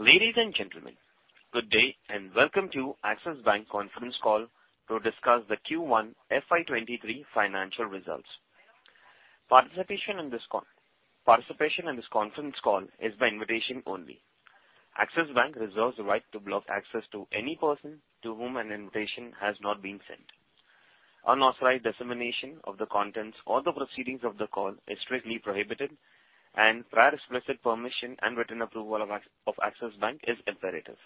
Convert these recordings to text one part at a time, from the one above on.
Ladies and gentlemen, good day and welcome to Axis Bank Conference Call to discuss the Q1 FY23 Financial Results. Participation in this conference call is by invitation only. Axis Bank reserves the right to block access to any person to whom an invitation has not been sent. Unauthorized dissemination of the contents or the proceeding of the call is strictly prohibited, and prior explicit permission and written approval of Axis Bank is imperative.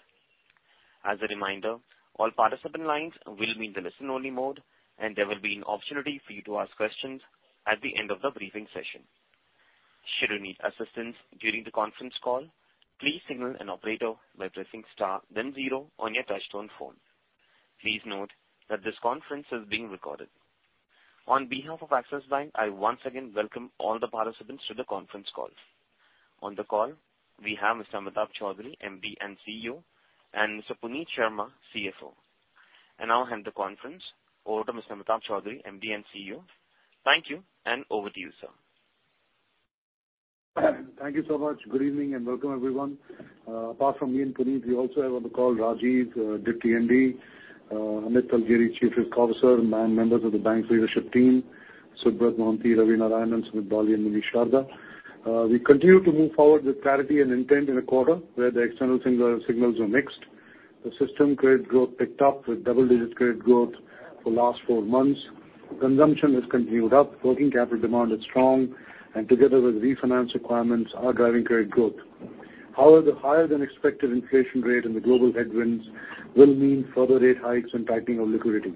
As a reminder, all participant lines will be in the listen only mode, and there will be an opportunity for you to ask questions at the end of the briefing session. Should you need assistance during the conference call, please signal an operator by pressing star then zero on your touchtone phone. Please note that this conference is being recorded. On behalf of Axis Bank, I once again welcome all the participants to the conference call. On the call, we have Mr. Amitabh Chaudhry, MD and CEO, and Mr. Puneet Sharma, CFO. I now hand the conference over to Mr. Amitabh Chaudhry, MD and CEO. Thank you and over to you, sir. Thank you so much. Good evening and welcome everyone. Apart from me and Puneet Sharma, we also have on the call Rajiv, deputy MD, Amit Talgeri, chief risk officer, and members of the bank's leadership team, Subrat Mohanty, Ravi Narayanan, Sumit Bali and Munish Sharda. We continue to move forward with clarity and intent in a quarter where the external signals are mixed. The system credit growth picked up with double-digit credit growth for last four months. Consumption has continued up, working capital demand is strong, and together with refinance requirements are driving credit growth. However, higher than expected inflation rate and the global headwinds will mean further rate hikes and tightening of liquidity.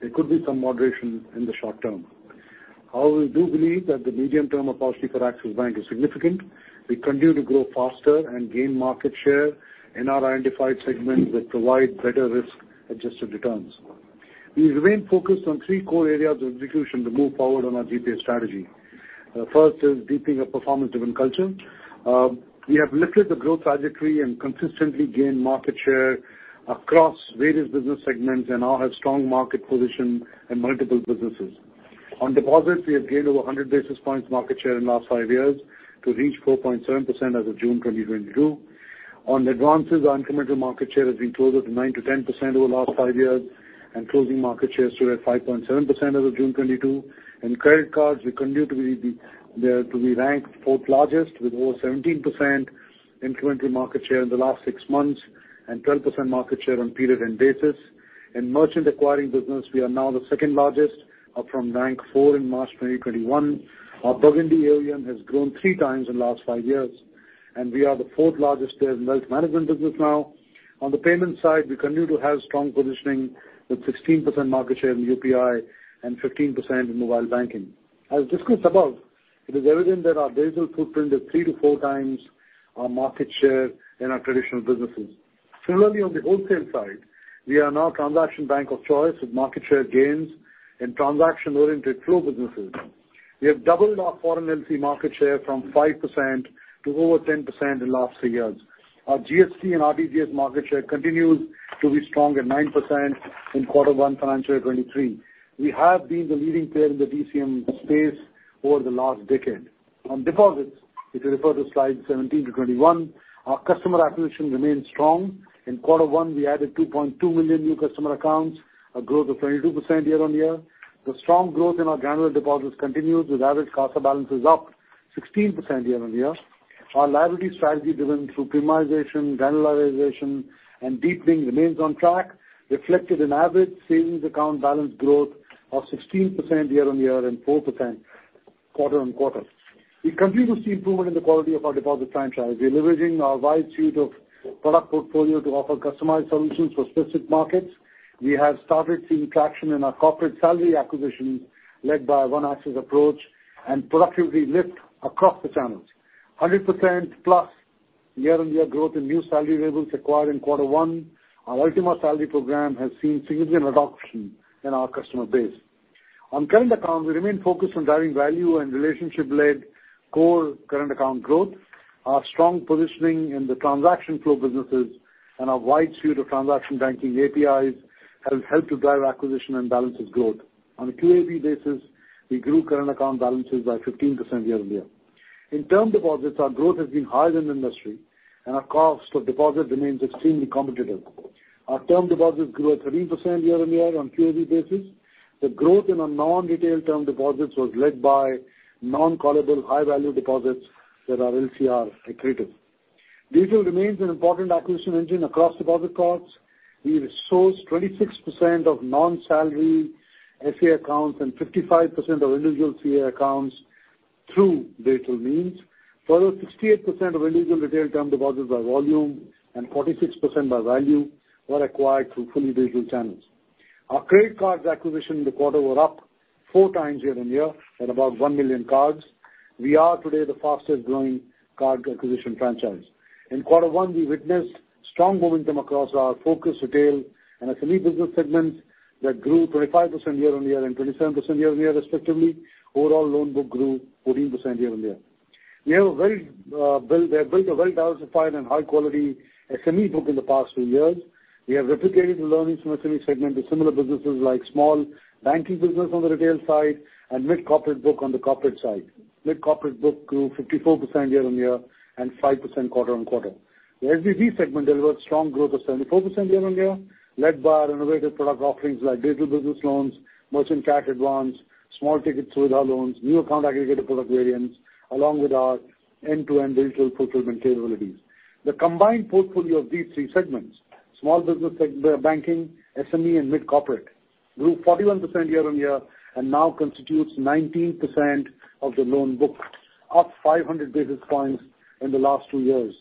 There could be some moderation in the short term. However, we do believe that the medium-term opportunity for Axis Bank is significant. We continue to grow faster and gain market share in our identified segments that provide better risk-adjusted returns. We remain focused on three core areas of execution to move forward on our GPS strategy. First is deepening a performance-driven culture. We have lifted the growth trajectory and consistently gained market share across various business segments and now have strong market position in multiple businesses. On deposits, we have gained over 100 basis points market share in last five years to reach 4.7% as of June 2022. On advances, our incremental market share has been closer to 9%-10% over the last five years and closing market share stood at 5.7% as of June 2022. In credit cards, we continue to be ranked fourth largest with over 17% incremental market share in the last 6 months and 12% market share on period end basis. In merchant acquiring business, we are now the second-largest up from rank 4 in March 2021. Our Burgundy AUM has grown three times in the last five years, and we are the fourth largest player in wealth management business now. On the payment side, we continue to have strong positioning with 16% market share in UPI and 15% in mobile banking. As discussed above, it is evident that our digital footprint is three to four times our market share in our traditional businesses. Similarly, on the wholesale side, we are now transaction bank of choice with market share gains in transaction-oriented flow businesses. We have doubled our foreign LC market share from 5% to over 10% in last 3 years. Our G-Sec and RTGS market share continues to be strong at 9% in Q1 FY23. We have been the leading player in the DCM space over the last decade. On deposits, if you refer to slide 17-21, our customer acquisition remains strong. In Q1, we added 2.2 million new customer accounts, a growth of 22% year-on-year. The strong growth in our granular deposits continues with average CASA balances up 16% year-on-year. Our liability strategy driven through premiumization, granularization and deepening remains on track, reflected in average savings account balance growth of 16% year-on-year and 4% quarter-on-quarter. We continue to see improvement in the quality of our deposit franchise, leveraging our wide suite of product portfolio to offer customized solutions for specific markets. We have started seeing traction in our corporate salary acquisition, led by One Axis approach and productivity lift across the channels. 100% plus year-on-year growth in new salary labels acquired in quarter one. Our Ultima Salary Program has seen significant adoption in our customer base. On current accounts, we remain focused on driving value and relationship-led core current account growth. Our strong positioning in the transaction flow businesses and our wide suite of transaction banking APIs has helped to drive acquisition and balances growth. On a QoQ basis, we grew current account balances by 15% year-on-year. In term deposits, our growth has been higher than industry and our cost of deposit remains extremely competitive. Our term deposits grew at 13% year-on-year on QoQ basis. The growth in our non-retail term deposits was led by non-callable high-value deposits that are LCR accretive. Digital remains an important acquisition engine across deposit cards. We source 26% of non-salary SA accounts and 55% of individual CA accounts through digital means. Further 68% of individual retail term deposits by volume and 46% by value were acquired through fully digital channels. Our credit cards acquisition in the quarter were up 4 times year-on-year at about 1 million cards. We are today the fastest growing card acquisition franchise. In quarter one, we witnessed strong momentum across our focus retail and SME business segments that grew 25% year-on-year and 27% year-on-year respectively. Overall loan book grew 14% year-on-year. We have built a very diversified and high quality SME book in the past two years. We have replicated the learnings from SME segment to similar businesses like small banking business on the retail side and mid-corporate book on the corporate side. Mid-corporate book grew 54% year-on-year and 5% quarter-on-quarter. The SBB segment delivered strong growth of 74% year-on-year, led by our innovative product offerings like digital business loans, merchant cash advance, small ticket Suvidha loans, new account aggregator product variants, along with our end-to-end digital fulfillment capabilities. The combined portfolio of these three segments, small business banking, SME, and mid-corporate, grew 41% year-on-year and now constitutes 19% of the loan book, up 500 basis points in the last two years.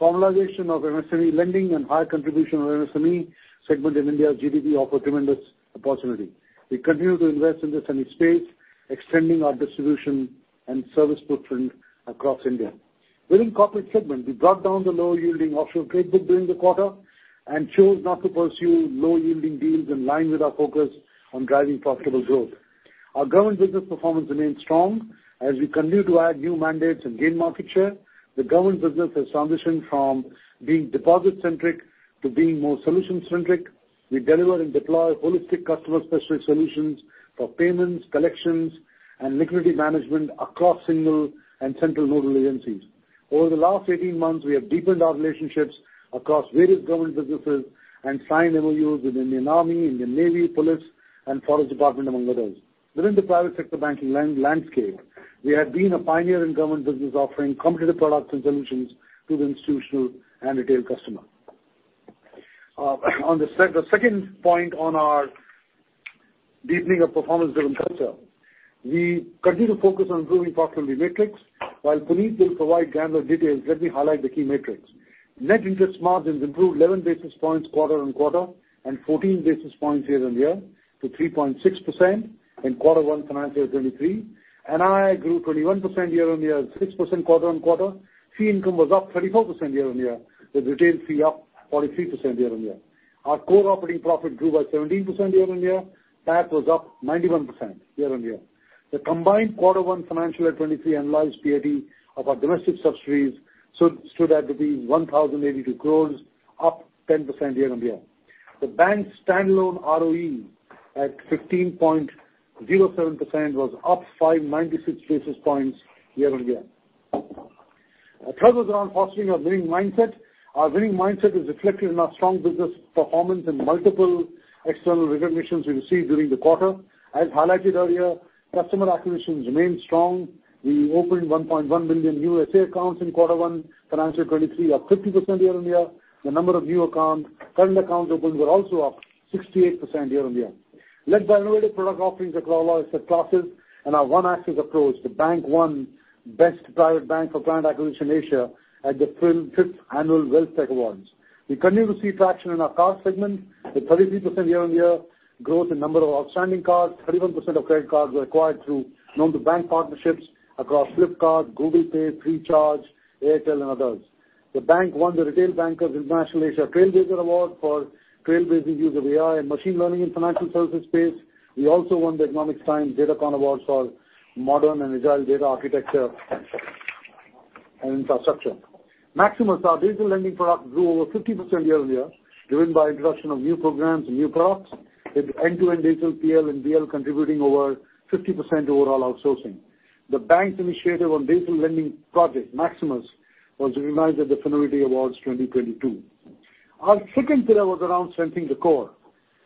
Formalization of MSME lending and high contribution of MSME segment in India's GDP offer tremendous opportunity. We continue to invest in this MSME space, extending our distribution and service footprint across India. Within corporate segment, we brought down the lower yielding offshore trade book during the quarter and chose not to pursue low yielding deals in line with our focus on driving profitable growth. Our government business performance remains strong as we continue to add new mandates and gain market share. The government business has transitioned from being deposit-centric to being more solution-centric. We deliver and deploy holistic customer-specific solutions for payments, collections, and liquidity management across single and central nodal agencies. Over the last 18 months, we have deepened our relationships across various government businesses and signed MOUs with Indian Army, Indian Navy, Police, and Forest Department, among others. Within the private sector banking landscape, we have been a pioneer in government business offering competitive products and solutions to the institutional and retail customer. On the second point on our deepening of performance-driven culture, we continue to focus on improving profitability matrix. While Puneet will provide granular details, let me highlight the key metrics. Net interest margins improved 11 basis points quarter-on-quarter and 14 basis points year-on-year to 3.6% in quarter one financial 2023. NII grew 21% year-on-year and 6% quarter-on-quarter. Fee income was up 34% year-on-year, with retail fee up 43% year-on-year. Our core operating profit grew by 17% year-on-year. PAT was up 91% year-on-year. The combined Q1 FY23 and large PAT of our domestic subsidiaries stood at rupees 1,082 crores, up 10% year-on-year. The bank's standalone ROE at 15.07% was up 596 basis points year-on-year. Our third was around fostering our winning mindset. Our winning mindset is reflected in our strong business performance and multiple external recognitions we received during the quarter. As highlighted earlier, customer acquisitions remain strong. We opened 1.1 million new SA accounts in Q1 FY23, up 50% year-on-year. The number of new accounts, current accounts opened were also up 68% year-on-year. Led by innovative product offerings across all asset classes and our One Axis approach, the bank won Best Private Bank for Client Acquisition Asia at the 5th Annual PWM Wealth Tech Awards. We continue to see traction in our card segment, with 33% year-on-year growth in number of outstanding cards. 31% of credit cards were acquired through non-bank partnerships across Flipkart, Google Pay, Freecharge, Airtel and others. The bank won the Retail Banker International Asia Trailblazer Award for trailblazing use of AI and machine learning in financial services space. We also won the Economic Times DataCon Awards for modern and agile data architecture and infrastructure. Maximus, our digital lending product, grew over 50% year-on-year, driven by introduction of new programs and new products, with end-to-end digital PL and BL contributing over 50% overall outsourcing. The bank's initiative on digital lending project, Maximus, was recognized at the Finovate Awards 2022. Our second pillar was around strengthening the core.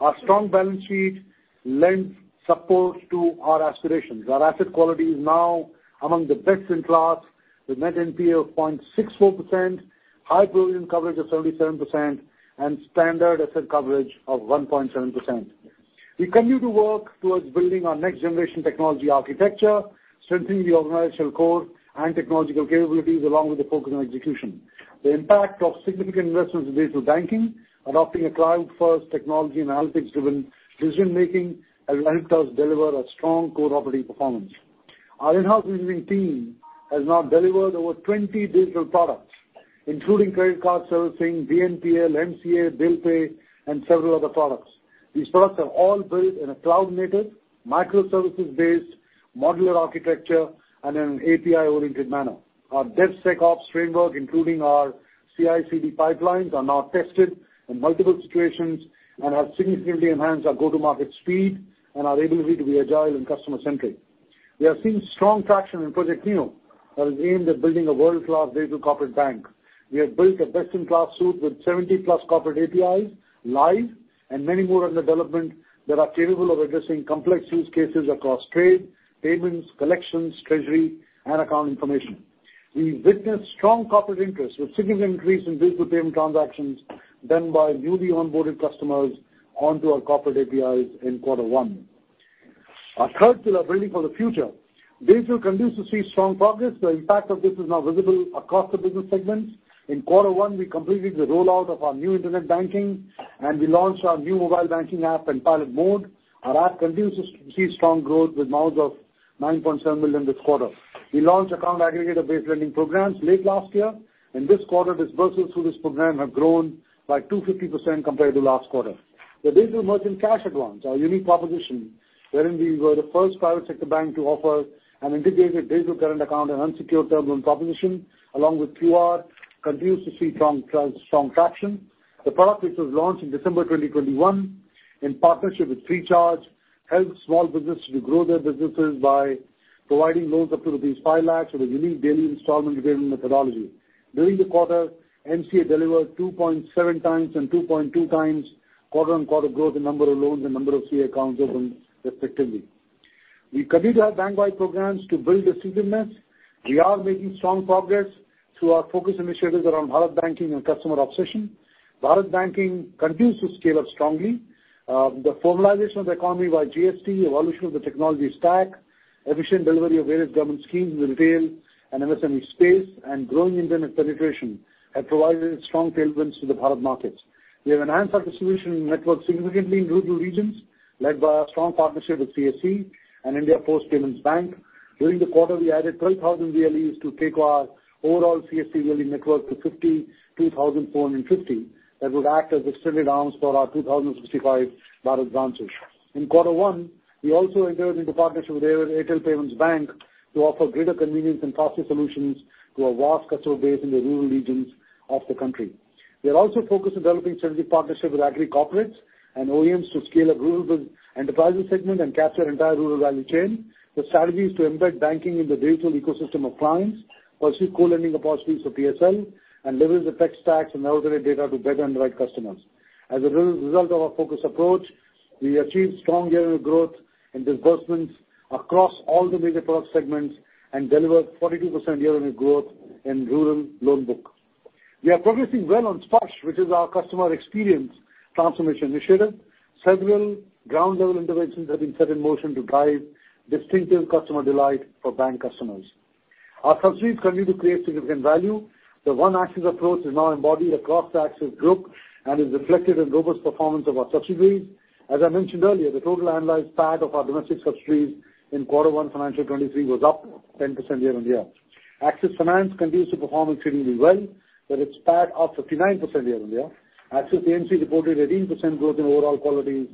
Our strong balance sheet lends support to our aspirations. Our asset quality is now among the best in class, with net NPL of 0.64%, high provision coverage of 77%, and standard asset coverage of 1.7%. We continue to work towards building our next generation technology architecture, strengthening the organizational core and technological capabilities along with the focus on execution. The impact of significant investments in digital banking, adopting a cloud first technology and analytics-driven decision-making has helped us deliver a strong core operating performance. Our in-house engineering team has now delivered over 20 digital products, including credit card servicing, BNPL, MCA, Bharat BillPay, and several other products. These products are all built in a cloud-native, microservices-based, modular architecture and in an API-oriented manner. Our DevSecOps framework, including our CI/CD pipelines, are now tested in multiple situations and have significantly enhanced our go-to-market speed and our ability to be agile and customer centric. We are seeing strong traction in Project Neo that is aimed at building a world-class digital corporate bank. We have built a best-in-class suite with 70+ corporate APIs live and many more in development that are capable of addressing complex use cases across trade, payments, collections, treasury, and account information. We've witnessed strong corporate interest with significant increase in digital payment transactions done by newly onboarded customers onto our corporate APIs in quarter one. Our third pillar, building for the future. Digital continues to see strong progress. The impact of this is now visible across the business segments. In quarter one, we completed the rollout of our new internet banking, and we launched our new mobile banking app in pilot mode. Our app continues to see strong growth with MAUs of 9.7 million this quarter. We launched account aggregator-based lending programs late last year, and this quarter, disbursements through this program have grown by 250% compared to last quarter. The digital merchant cash advance, our unique proposition wherein we were the first private sector bank to offer an integrated digital current account and unsecured term loan proposition, along with QR, continues to see strong traction. The product, which was launched in December 2021 in partnership with Freecharge, helps small businesses to grow their businesses by providing loans up to 5 lakhs with a unique daily installment repayment methodology. During the quarter, MCA delivered 2.7 times and 2.2 times quarter-on-quarter growth in number of loans and number of CA accounts opened respectively. We continue to have bank-wide programs to build disciplined. We are making strong progress through our focus initiatives around Bharat Banking and customer obsession. Bharat Banking continues to scale up strongly. The formalization of the economy by GST, evolution of the technology stack, efficient delivery of various government schemes in retail and MSME space, and growing internet penetration have provided strong tailwinds to the Bharat markets. We have enhanced our distribution network significantly in rural regions, led by our strong partnership with CSC and India Post Payments Bank. During the quarter, we added 12,000 VLEs to take our overall CSC VLE network to 52,450 that would act as extended arms for our 2,065 Bharat branches. In quarter one, we also entered into partnership with Airtel Payments Bank to offer greater convenience and faster solutions to our vast customer base in the rural regions of the country. We are also focused on developing strategic partnership with Agri corporates and OEMs to scale up rural business enterprises segment and capture entire rural value chain. The strategy is to embed banking in the digital ecosystem of clients, pursue co-lending opportunities for PSL, and leverage the tech stacks and alternative data to better underwrite customers. As a result of our focused approach, we achieved strong year-over-year growth in disbursements across all the major product segments and delivered 42% year-on-year growth in rural loan book. We are progressing well on Sparsh, which is our customer experience transformation initiative. Several ground level interventions have been set in motion to drive distinctive customer delight for bank customers. Our subsidiaries continue to create significant value. The One Axis approach is now embodied across the Axis Group and is reflected in robust performance of our subsidiaries. As I mentioned earlier, the total annualized PAT of our domestic subsidiaries in quarter one financial 2023 was up 10% year-on-year. Axis Finance continues to perform extremely well, with its PAT up 59% year-on-year. Axis AMC reported 18% growth in overall quarterly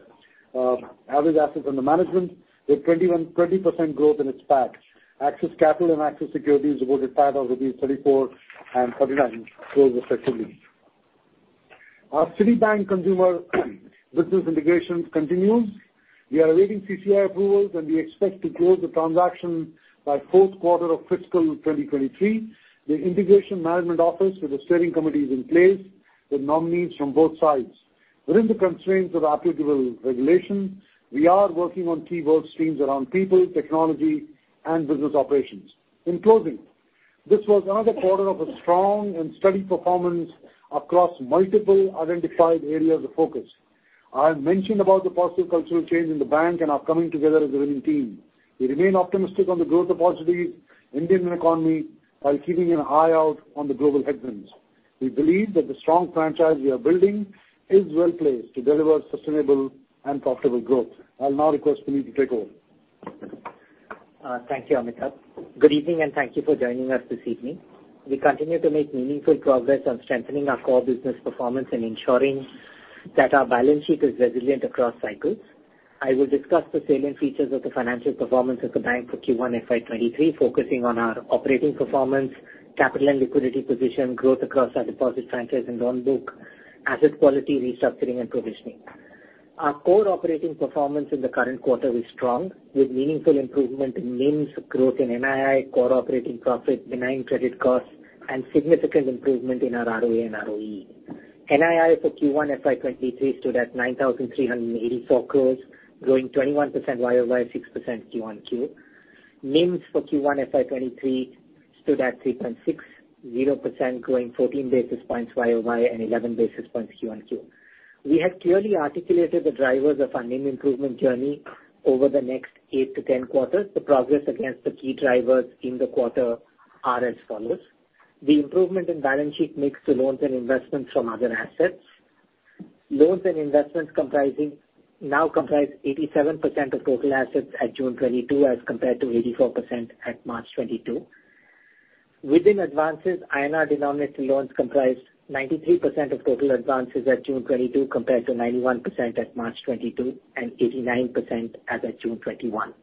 average assets under management, with 20% growth in its PAT. Axis Capital and Axis Securities reported PAT of INR 34 crore and 39 crore respectively. Our Citibank consumer business integration continues. We are awaiting CCI approvals, and we expect to close the transaction by fourth quarter of fiscal 2023. The integration management office with the steering committee is in place with nominees from both sides. Within the constraints of applicable regulations, we are working on key work streams around people, technology, and business operations. In closing, this was another quarter of a strong and steady performance across multiple identified areas of focus. I have mentioned about the positive cultural change in the bank and are coming together as a winning team. We remain optimistic on the growth opportunities, Indian economy, while keeping an eye out on the global headwinds. We believe that the strong franchise we are building is well-placed to deliver sustainable and profitable growth. I'll now request Puneet to take over. Thank you, Amitabh. Good evening, and thank you for joining us this evening. We continue to make meaningful progress on strengthening our core business performance and ensuring that our balance sheet is resilient across cycles. I will discuss the salient features of the financial performance of the bank for Q1 FY 2023, focusing on our operating performance, capital and liquidity position, growth across our deposit franchise and loan book, asset quality restructuring and provisioning. Our core operating performance in the current quarter is strong, with meaningful improvement in NIMs, growth in NII, core operating profit, benign credit costs, and significant improvement in our ROA and ROE. NII for Q1 FY 2023 stood at 9,384 crore, growing 21% YOY, 6% QOQ. NIMs for Q1 FY 2023 stood at 3.60%, growing 14 basis points YOY and 11 basis points QOQ. We have clearly articulated the drivers of our NIM improvement journey over the next 8-10 quarters. The progress against the key drivers in the quarter are as follows. The improvement in balance sheet mix to loans and investments from other assets. Loans and investments now comprise 87% of total assets at June 2022 as compared to 84% at March 2022. Within advances, INR denominated loans comprise 93% of total advances at June 2022 compared to 91% at March 2022 and 89% as at June 2021.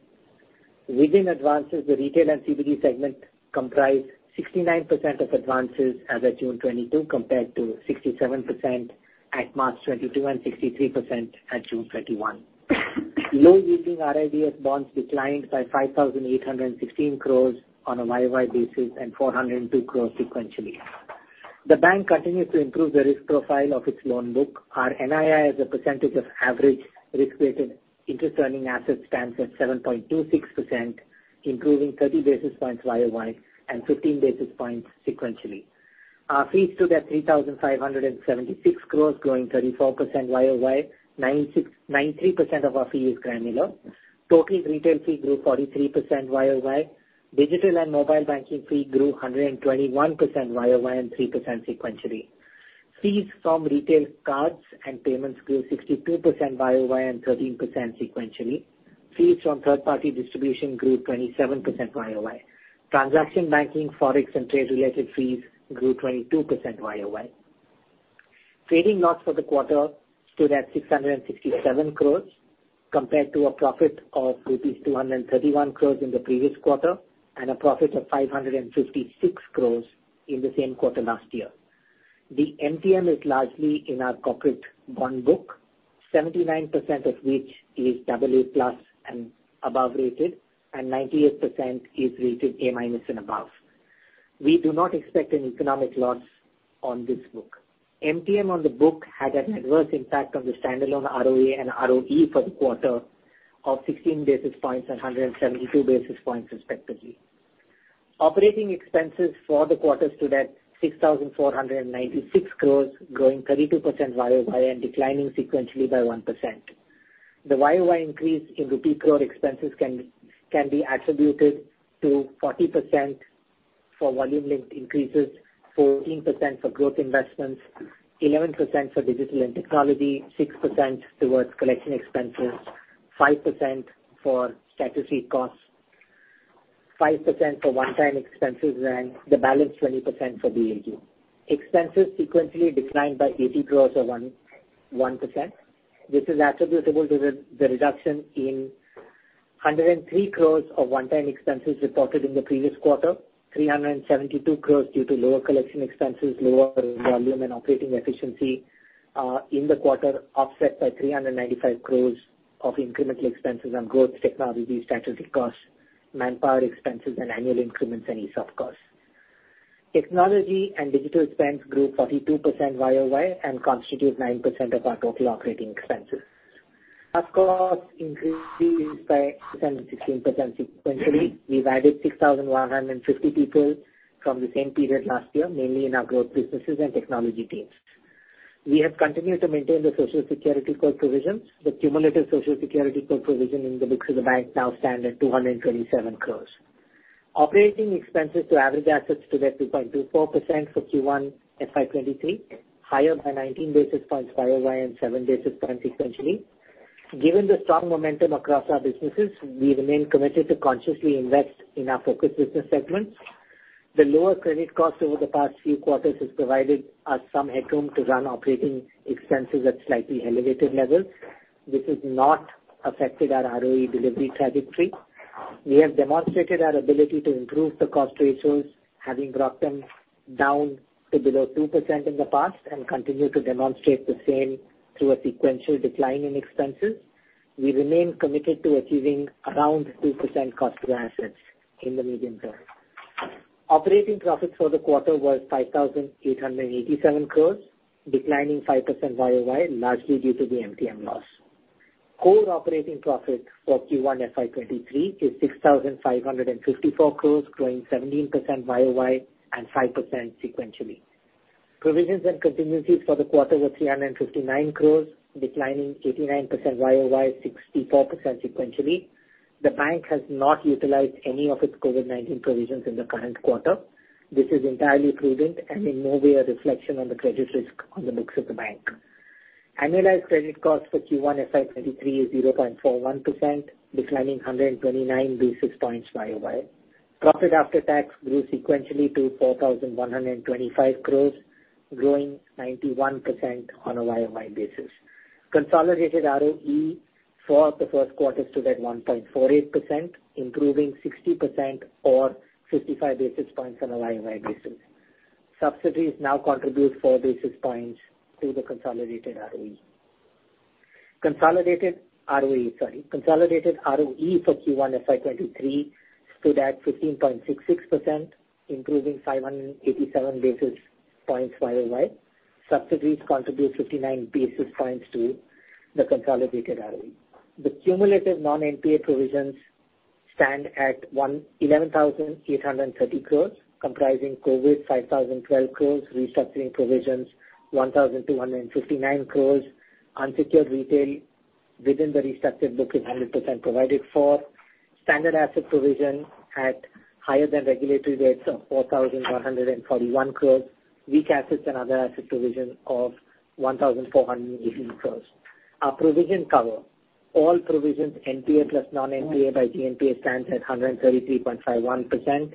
Within advances, the retail and CBG segment comprise 69% of advances as at June 2022 compared to 67% at March 2022 and 63% at June 2021. Low yielding RIDF bonds declined by 5,816 crores on a YOY basis and 402 crores sequentially. The bank continues to improve the risk profile of its loan book. Our NII as a percentage of average risk-weighted interest earning assets stands at 7.26%, improving 30 basis points YOY and 15 basis points sequentially. Our fees stood at 3,576 crore, growing 34% YOY. 93% of our fee is granular. Total retail fee grew 43% YOY. Digital and mobile banking fee grew 121% YOY and 3% sequentially. Fees from retail cards and payments grew 62% YOY and 13% sequentially. Fees from third party distribution grew 27% YOY. Transaction banking, Forex and trade related fees grew 22% YOY. Trading loss for the quarter stood at 667 crore. Compared to a profit of rupees 231 crore in the previous quarter and a profit of 556 crore in the same quarter last year. The MTM is largely in our corporate bond book, 79% of which is AA+ and above rated, and 98% is rated A- and above. We do not expect an economic loss on this book. MTM on the book had an adverse impact on the standalone ROA and ROE for the quarter of 16 basis points and 172 basis points respectively. Operating expenses for the quarter stood at 6,496 crore, growing 32% YOY and declining sequentially by 1%. The YOY increase in rupee crore expenses can be attributed to 40% for volume linked increases, 14% for growth investments, 11% for digital and technology, 6% towards collection expenses, 5% for statutory costs, 5% for one-time expenses, and the balance 20% for BLG. Expenses sequentially declined by 80 crore or 1%. This is attributable to the reduction in 103 crore of one-time expenses reported in the previous quarter, 372 crore due to lower collection expenses, lower volume and operating efficiency in the quarter, offset by 395 crore of incremental expenses on growth, technology, statutory costs, manpower expenses and annual increments and ESOP costs. Technology and digital expense grew 42% YOY and constitute 9% of our total operating expenses. Costs increased by 16% sequentially. We've added 6,150 people from the same period last year, mainly in our growth businesses and technology teams. We have continued to maintain the Social Security cost provisions. The cumulative Social Security cost provision in the books of the bank now stand at 227 crore. Operating expenses to average assets stood at 2.24% for Q1 FY 2023, higher by 19 basis points YOY and 7 basis points sequentially. Given the strong momentum across our businesses, we remain committed to consciously invest in our focus business segments. The lower credit cost over the past few quarters has provided us some headroom to run operating expenses at slightly elevated levels. This has not affected our ROE delivery trajectory. We have demonstrated our ability to improve the cost ratios, having brought them down to below 2% in the past and continue to demonstrate the same through a sequential decline in expenses. We remain committed to achieving around 2% cost to assets in the medium term. Operating profit for the quarter was 5,887 crore, declining 5% YOY, largely due to the MTM loss. Core operating profit for Q1 FY 2023 is 6,554 crore, growing 17% YOY and 5% sequentially. Provisions and contingencies for the quarter were 359 crore, declining 89% YOY, 64% sequentially. The bank has not utilized any of its COVID-19 provisions in the current quarter. This is entirely prudent and in no way a reflection on the credit risk on the books of the bank. Annualized credit costs for Q1 FY23 is 0.41%, declining 129 basis points YOY. Profit after tax grew sequentially to 4,125 crores, growing 91% on a YOY basis. Consolidated ROE for the first quarter stood at 1.48%, improving 60% or 55 basis points on a YOY basis. Subsidies now contribute four basis points to the consolidated ROE. Consolidated ROE for Q1 FY23 stood at 15.66%, improving 587 basis points YOY. Subsidies contribute 59 basis points to the consolidated ROE. The cumulative non-NPA provisions stand at 11,830 crores, comprising COVID, 5,012 crores, restructuring provisions, 1,259 crores. Unsecured retail within the restructured book is 100% provided for. Standard asset provision at higher than regulatory rates of 4,141 crores. Weak assets and other asset provision of 1,480 crores. Our provision coverage, all provisions NPA plus non-NPA by GNPA stands at 133.51%,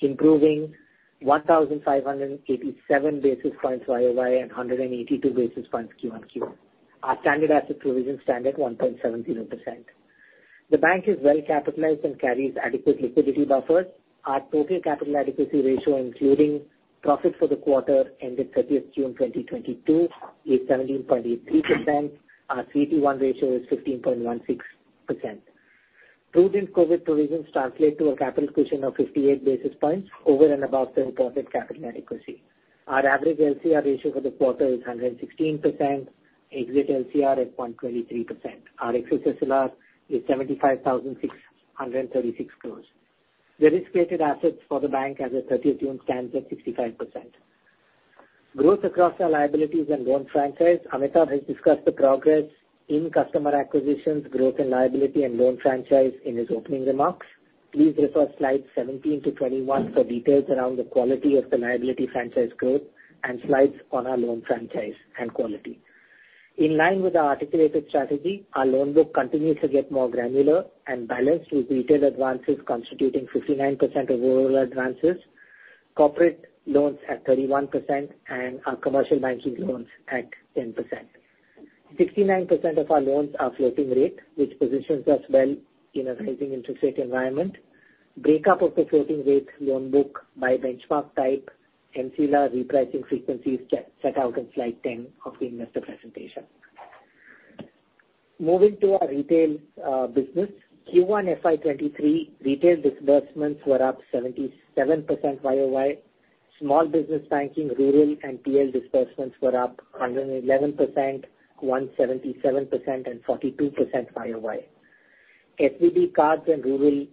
improving 1,587 basis points YOY and 182 basis points QoQ. Our standard asset provisions stand at 1.17%. The bank is well capitalized and carries adequate liquidity buffers. Our total capital adequacy ratio, including profit for the quarter ended thirtieth June 2022, is 17.83%. Our CET1 ratio is 15.16%. Prudent COVID provisions translate to a capital cushion of 58 basis points over and above the reported capital adequacy. Our average LCR ratio for the quarter is 116%. Exit LCR is 0.23%. Our excess SLR is 75,636 crores. The risk-weighted assets for the bank as of 30th June stands at 65%. Growth across our liabilities and loan franchise. Amitabh has discussed the progress in customer acquisitions, growth and liability and loan franchise in his opening remarks. Please refer to slides 17-21 for details around the quality of the liability franchise growth and slides on our loan franchise and quality. In line with our articulated strategy, our loan book continues to get more granular and balanced, with retail advances constituting 59% of overall advances. Corporate loans at 31% and our commercial banking loans at 10%. 69% of our loans are floating rate, which positions us well in a rising interest rate environment. Breakup of the floating rate loan book by benchmark type and similar repricing frequencies set out in slide ten of the investor presentation. Moving to our retail business. Q1 FY 2023 retail disbursements were up 77% YOY. Small business banking, rural and TL disbursements were up 111%, 177% and 42% YOY. SVB cards and rural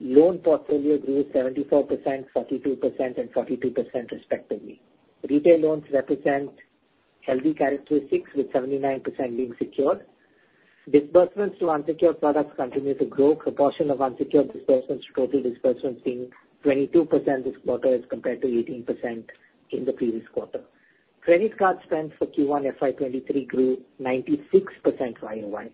loan portfolios grew 74%, 42% and 42% respectively. Retail loans represent healthy characteristics with 79% being secured. Disbursements to unsecured products continue to grow. Proportion of unsecured disbursements to total disbursements being 22% this quarter as compared to 18% in the previous quarter. Credit card spend for Q1 FY 2023 grew 96% YOY.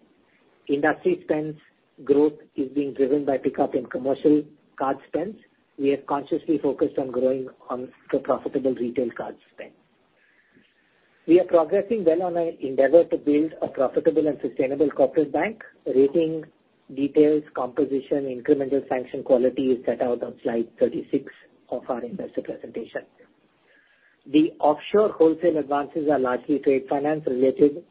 Industry spends growth is being driven by pickup in commercial card spends. We are consciously focused on growing on the profitable retail card spend. We are progressing well on our endeavor to build a profitable and sustainable corporate bank. Rating details, composition, incremental sanction quality is set out on slide 36 of our investor presentation. The offshore wholesale advances are largely trade finance related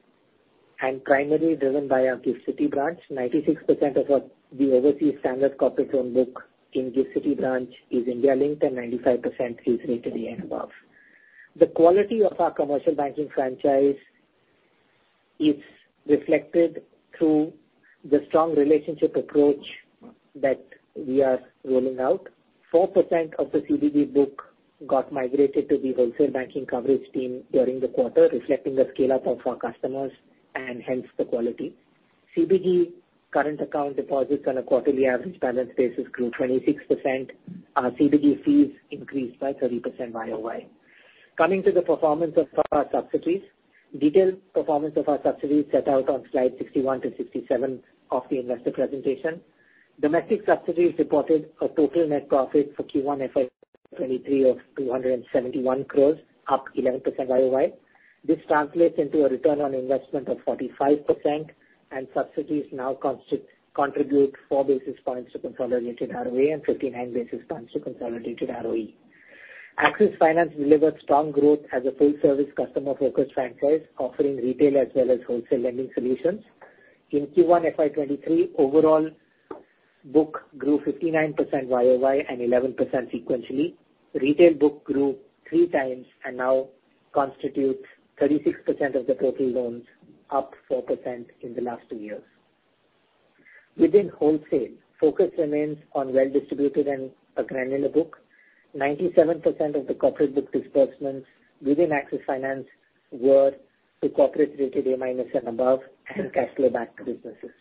and primarily driven by our GIFT City branch. 96% of the overseas standard corporate loan book in GIFT City branch is India-linked, and 95% is rated A and above. The quality of our commercial banking franchise is reflected through the strong relationship approach that we are rolling out. 4% of the CBG book got migrated to the wholesale banking coverage team during the quarter, reflecting the scale-up of our customers and hence the quality. CBG current account deposits on a quarterly average balance basis grew 26%. Our CBG fees increased by 30% year-over-year. Coming to the performance of our subsidiaries. Detailed performance of our subsidiaries set out on slide 61-67 of the investor presentation. Domestic subsidiaries reported a total net profit for Q1 FY 2023 of 271 crore, up 11% YOY. This translates into a return on investment of 45%, and subsidiaries now contribute 4 basis points to consolidated ROA and 59 basis points to consolidated ROE. Axis Finance delivered strong growth as a full service customer focused franchise offering retail as well as wholesale lending solutions. In Q1 FY 2023, overall book grew 59% YOY and 11% sequentially. Retail book grew 3 times and now constitutes 36% of the total loans, up 4% in the last 2 years. Within wholesale, focus remains on well distributed and granular book. 97% of the corporate book disbursements within Axis Finance were to corporate rated A- and above and cash flow backed businesses.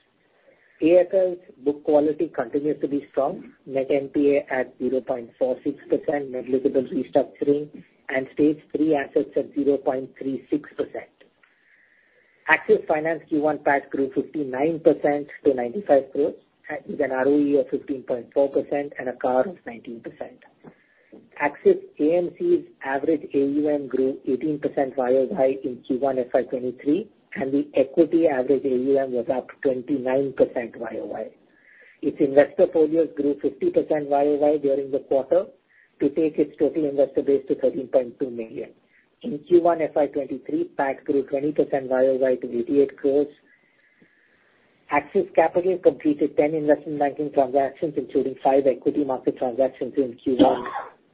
AACL's book quality continues to be strong. Net NPA at 0.46%, negligible restructuring and Stage three assets at 0.36%. Axis Finance Q1 PAT grew 59% to 95 crore at an ROE of 15.4% and a CAR of 19%. Axis AMC's average AUM grew 18% YOY in Q1 FY 2023, and the equity average AUM was up 29% YOY. Its investor portfolios grew 50% YOY during the quarter to take its total investor base to 13.2 million. In Q1 FY 2023, PAT grew 20% YOY to 88 crore. Axis Capital completed 10 investment banking transactions, including five equity market transactions in Q1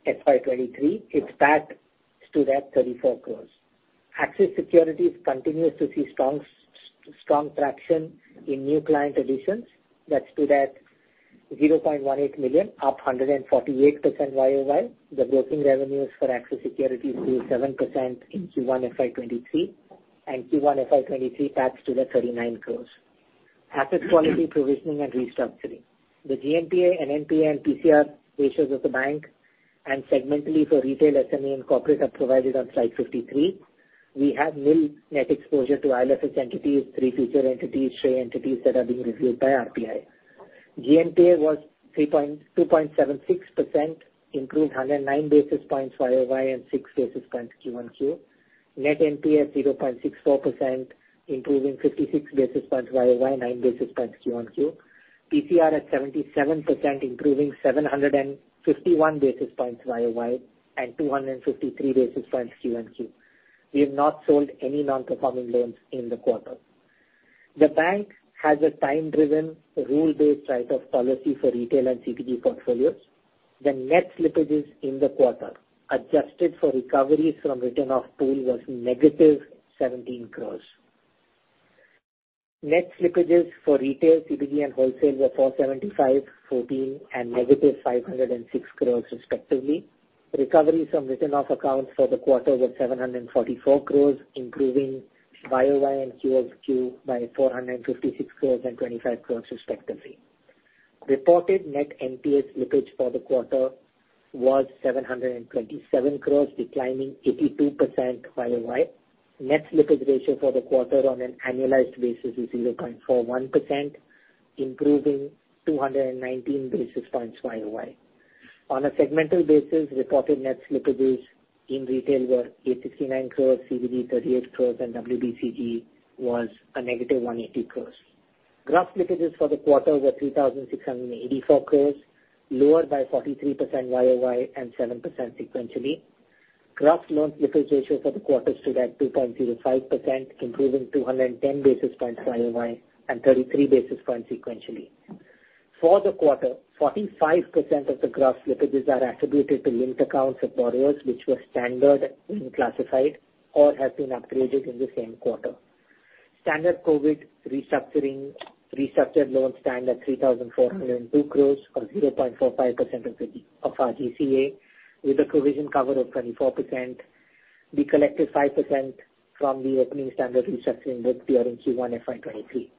FY 2023. Its PAT stood at 34 crore. Axis Securities continues to see strong traction in new client additions that stood at 0.18 million, up 148% YOY. The broking revenues for Axis Securities grew 7% in Q1 FY23, and Q1 FY23 PAT stood at 39 crore. Asset quality provisioning and restructuring. The GNPA and NPA and TCR ratios of the bank and segmentally for retail SME and corporate are provided on slide 53. We have nil net exposure to IL&FS entities, three future entities, three entities that are being reviewed by RBI. GNPA was 2.76%, improved 109 basis points YOY and 6 basis points QOQ. Net NPA 0.64%, improving 56 basis points YOY, 9 basis points QOQ. TCR at 77%, improving 751 basis points YOY and 253 basis points QOQ. We have not sold any non-performing loans in the quarter. The bank has a time-driven, rule-based write-off policy for retail and CBG portfolios. The net slippages in the quarter, adjusted for recoveries from written-off pool was -17 crore. Net slippages for retail, CBG and wholesale were 475 crore, 14 crore, and -506 crore respectively. Recoveries from written-off accounts for the quarter were 744 crore, improving YOY and Q over Q by 456 crore and 25 crore respectively. Reported net NPA slippage for the quarter was 727 crore, declining 82% YOY. Net slippage ratio for the quarter on an annualized basis is 0.41%, improving 219 basis points YOY. On a segmental basis, reported net slippages in retail were 859 crores, CBG 38 crores, and WDCG was a negative 180 crores. Gross slippages for the quarter were 3,684 crores, lower by 43% YOY and 7% sequentially. Gross loan slippage ratio for the quarter stood at 2.05%, improving 210 basis points YOY and 33 basis points sequentially. For the quarter, 45% of the gross slippages are attributed to linked accounts of borrowers which were standard in classified or have been upgraded in the same quarter. Standard COVID restructuring restructured loans stand at 3,402 crores, or 0.45% of our GCA, with a provision cover of 24%. We collected 5% from the opening standard restructuring book during Q1 FY 2023.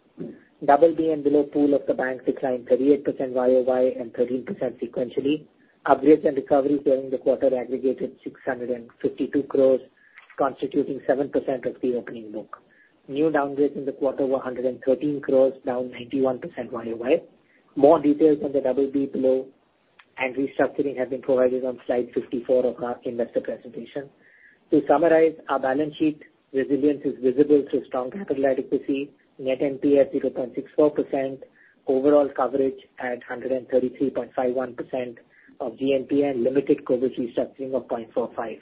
Double B and below pool of the bank declined 38% YOY and 13% sequentially. Upgrades and recoveries during the quarter aggregated 652 crore, constituting 7% of the opening book. New downgrades in the quarter were 113 crore, down 91% YOY. More details on the BB and below and restructuring have been provided on slide 54 of our investor presentation. To summarize, our balance sheet resilience is visible through strong capital adequacy, net NPA 0.64%, overall coverage at 133.51% of GNPA and limited COVID restructuring of 0.45.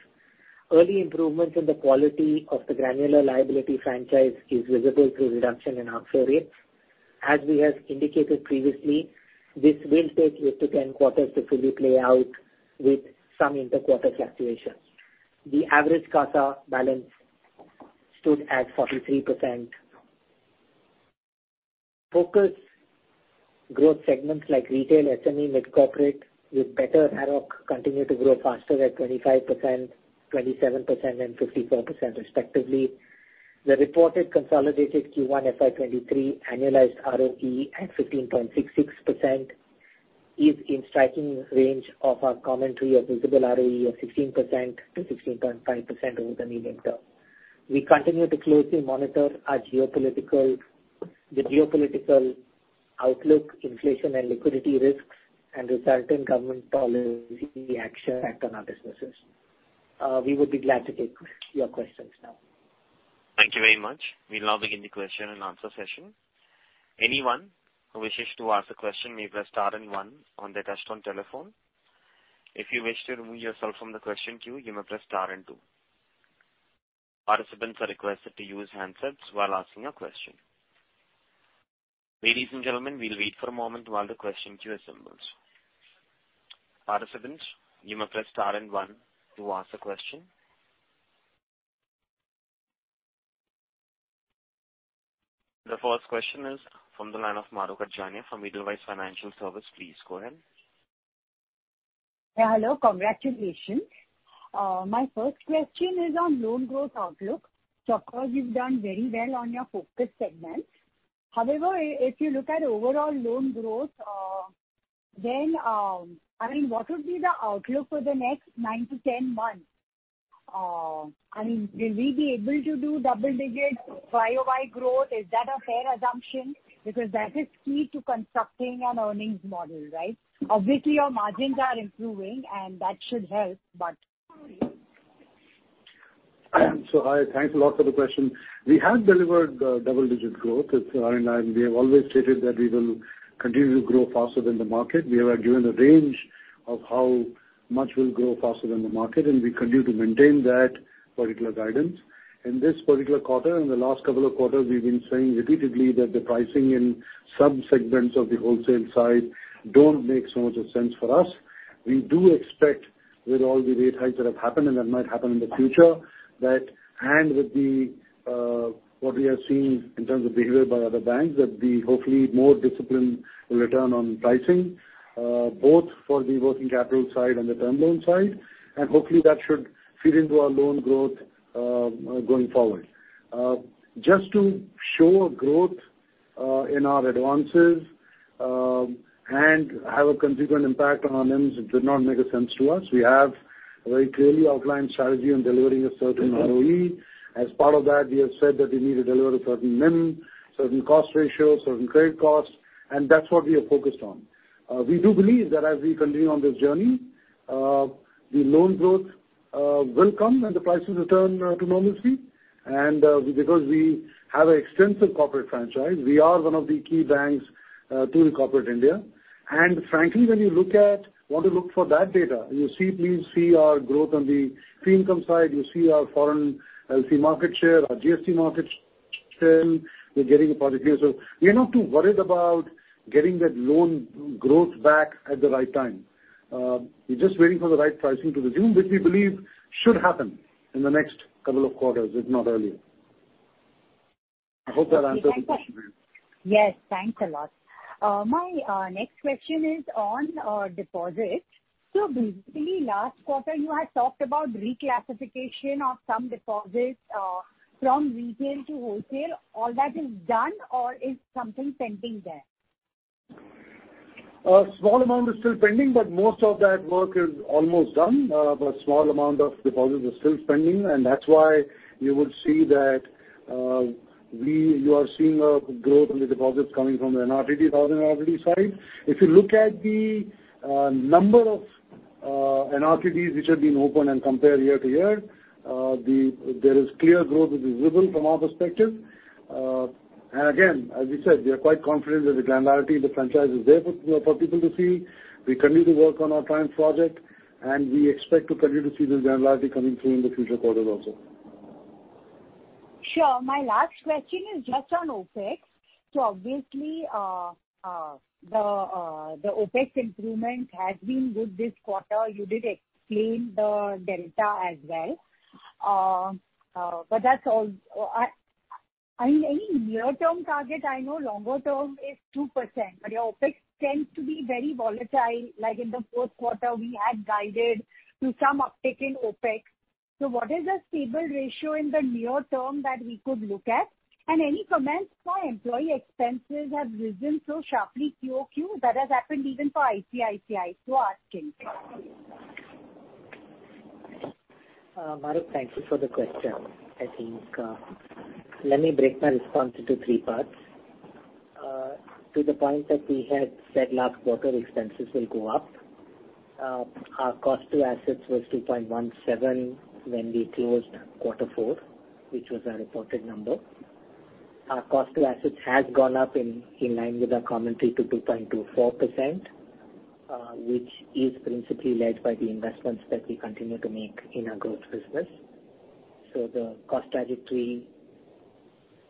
Early improvements in the quality of the granular liability franchise is visible through reduction in outflow rates. As we have indicated previously, this will take 6-10 quarters to fully play out with some inter-quarter fluctuations. The average CASA balance stood at 43%. Focus growth segments like retail, SME, mid-corporate with better ROIC continue to grow faster at 25%, 27% and 54% respectively. The reported consolidated Q1 FY 2023 annualized ROE at 15.66% is in striking range of our commentary of visible ROE of 16% to 16.5% over the medium term. We continue to closely monitor our geopolitical outlook, inflation and liquidity risks and resulting government policy action on our businesses. We would be glad to take your questions now. Thank you very much. We'll now begin the question-and-answer session. Anyone who wishes to ask a question may press star and one on their touch-tone telephone. If you wish to remove yourself from the question queue, you may press star and two. Participants are requested to use handsets while asking a question. Ladies and gentlemen, we'll wait for a moment while the question queue assembles. Participants, you may press star and one to ask a question. The first question is from the line of Mahrukh Adajania from Edelweiss Financial Services. Please go ahead. Yeah, hello. Congratulations. My first question is on loan growth outlook. Of course, you've done very well on your focus segment. However, if you look at overall loan growth, I mean, what would be the outlook for the next nine to 10 months? I mean, will we be able to do double digits YOY growth? Is that a fair assumption? Because that is key to constructing an earnings model, right? Obviously, your margins are improving and that should help, but. Hi, thanks a lot for the question. We have delivered double-digit growth, and we have always stated that we will continue to grow faster than the market. We have given a range of how much we'll grow faster than the market, and we continue to maintain that particular guidance. In this particular quarter, in the last couple of quarters, we've been saying repeatedly that the pricing in sub-segments of the wholesale side don't make so much sense for us. We do expect with all the rate hikes that have happened and that might happen in the future, and with what we have seen in terms of behavior by other banks, that hopefully more discipline will return on pricing, both for the working capital side and the term loan side. Hopefully that should feed into our loan growth going forward. Just to show a growth in our advances and have a considerable impact on our NIMs, it did not make sense to us. We have a very clearly outlined strategy on delivering a certain ROE. As part of that, we have said that we need to deliver a certain NIM, certain cost ratio, certain credit costs, and that's what we are focused on. We do believe that as we continue on this journey, the loan growth will come and the prices return to normalcy. Because we have an extensive corporate franchise, we are one of the key banks to corporate India. Frankly, when you want to look for that data, you see our growth on the fee income side. You see our foreign LC market share, our GST market share. We're getting a positive view. We are not too worried about getting that loan growth back at the right time. We're just waiting for the right pricing to resume, which we believe should happen in the next couple of quarters, if not earlier. I hope that answers the question. Yes. Thanks a lot. My next question is on deposits. Basically last quarter you had talked about reclassification of some deposits from retail to wholesale. All that is done or is something pending there? A small amount is still pending, but most of that work is almost done. Small amount of deposits are still pending, and that's why you would see that you are seeing a growth in the deposits coming from the NR TD thousand RD side. If you look at the number of NR TDs which have been opened and compared year-over-year, there is clear growth which is visible from our perspective. Again, as we said, we are quite confident that the granularity of the franchise is there for people to see. We continue to work on our Project Triumph, and we expect to continue to see the granularity coming through in the future quarters also. Sure. My last question is just on OpEx. Obviously, the OpEx improvement has been good this quarter. You did explain the delta as well. But that's all. Any near-term target? I know longer term is 2%, but your OpEx tends to be very volatile. Like in the fourth quarter, we had guided to some uptick in OpEx. What is the stable ratio in the near term that we could look at? And any comments why employee expenses have risen so sharply QoQ? That has happened even for ICICI, so asking. Mahrukh, thank you for the question. I think, let me break my response into three parts. To the point that we had said last quarter expenses will go up, our cost to assets was 2.17 when we closed quarter four, which was our reported number. Our cost to assets has gone up in line with our commentary to 2.24%, which is principally led by the investments that we continue to make in our growth business. The cost trajectory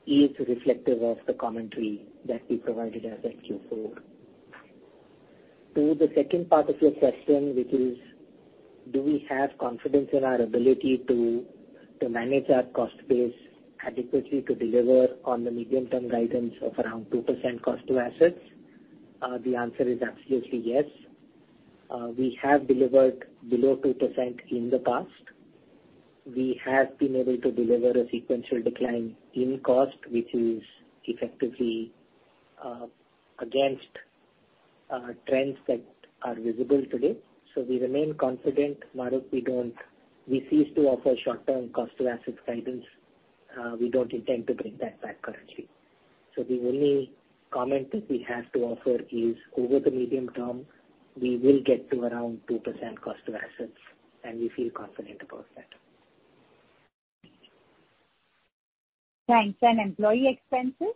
is reflective of the commentary that we provided as of Q4. To the second part of your question, which is do we have confidence in our ability to manage our cost base adequately to deliver on the medium-term guidance of around 2% cost to assets? The answer is absolutely yes. We have delivered below 2% in the past. We have been able to deliver a sequential decline in cost, which is effectively against trends that are visible today. We remain confident. Mahrukh, we ceased to offer short-term cost to assets guidance. We don't intend to bring that back currently. The only comment that we have to offer is over the medium term, we will get to around 2% cost to assets, and we feel confident about that. Thanks. Employee expenses?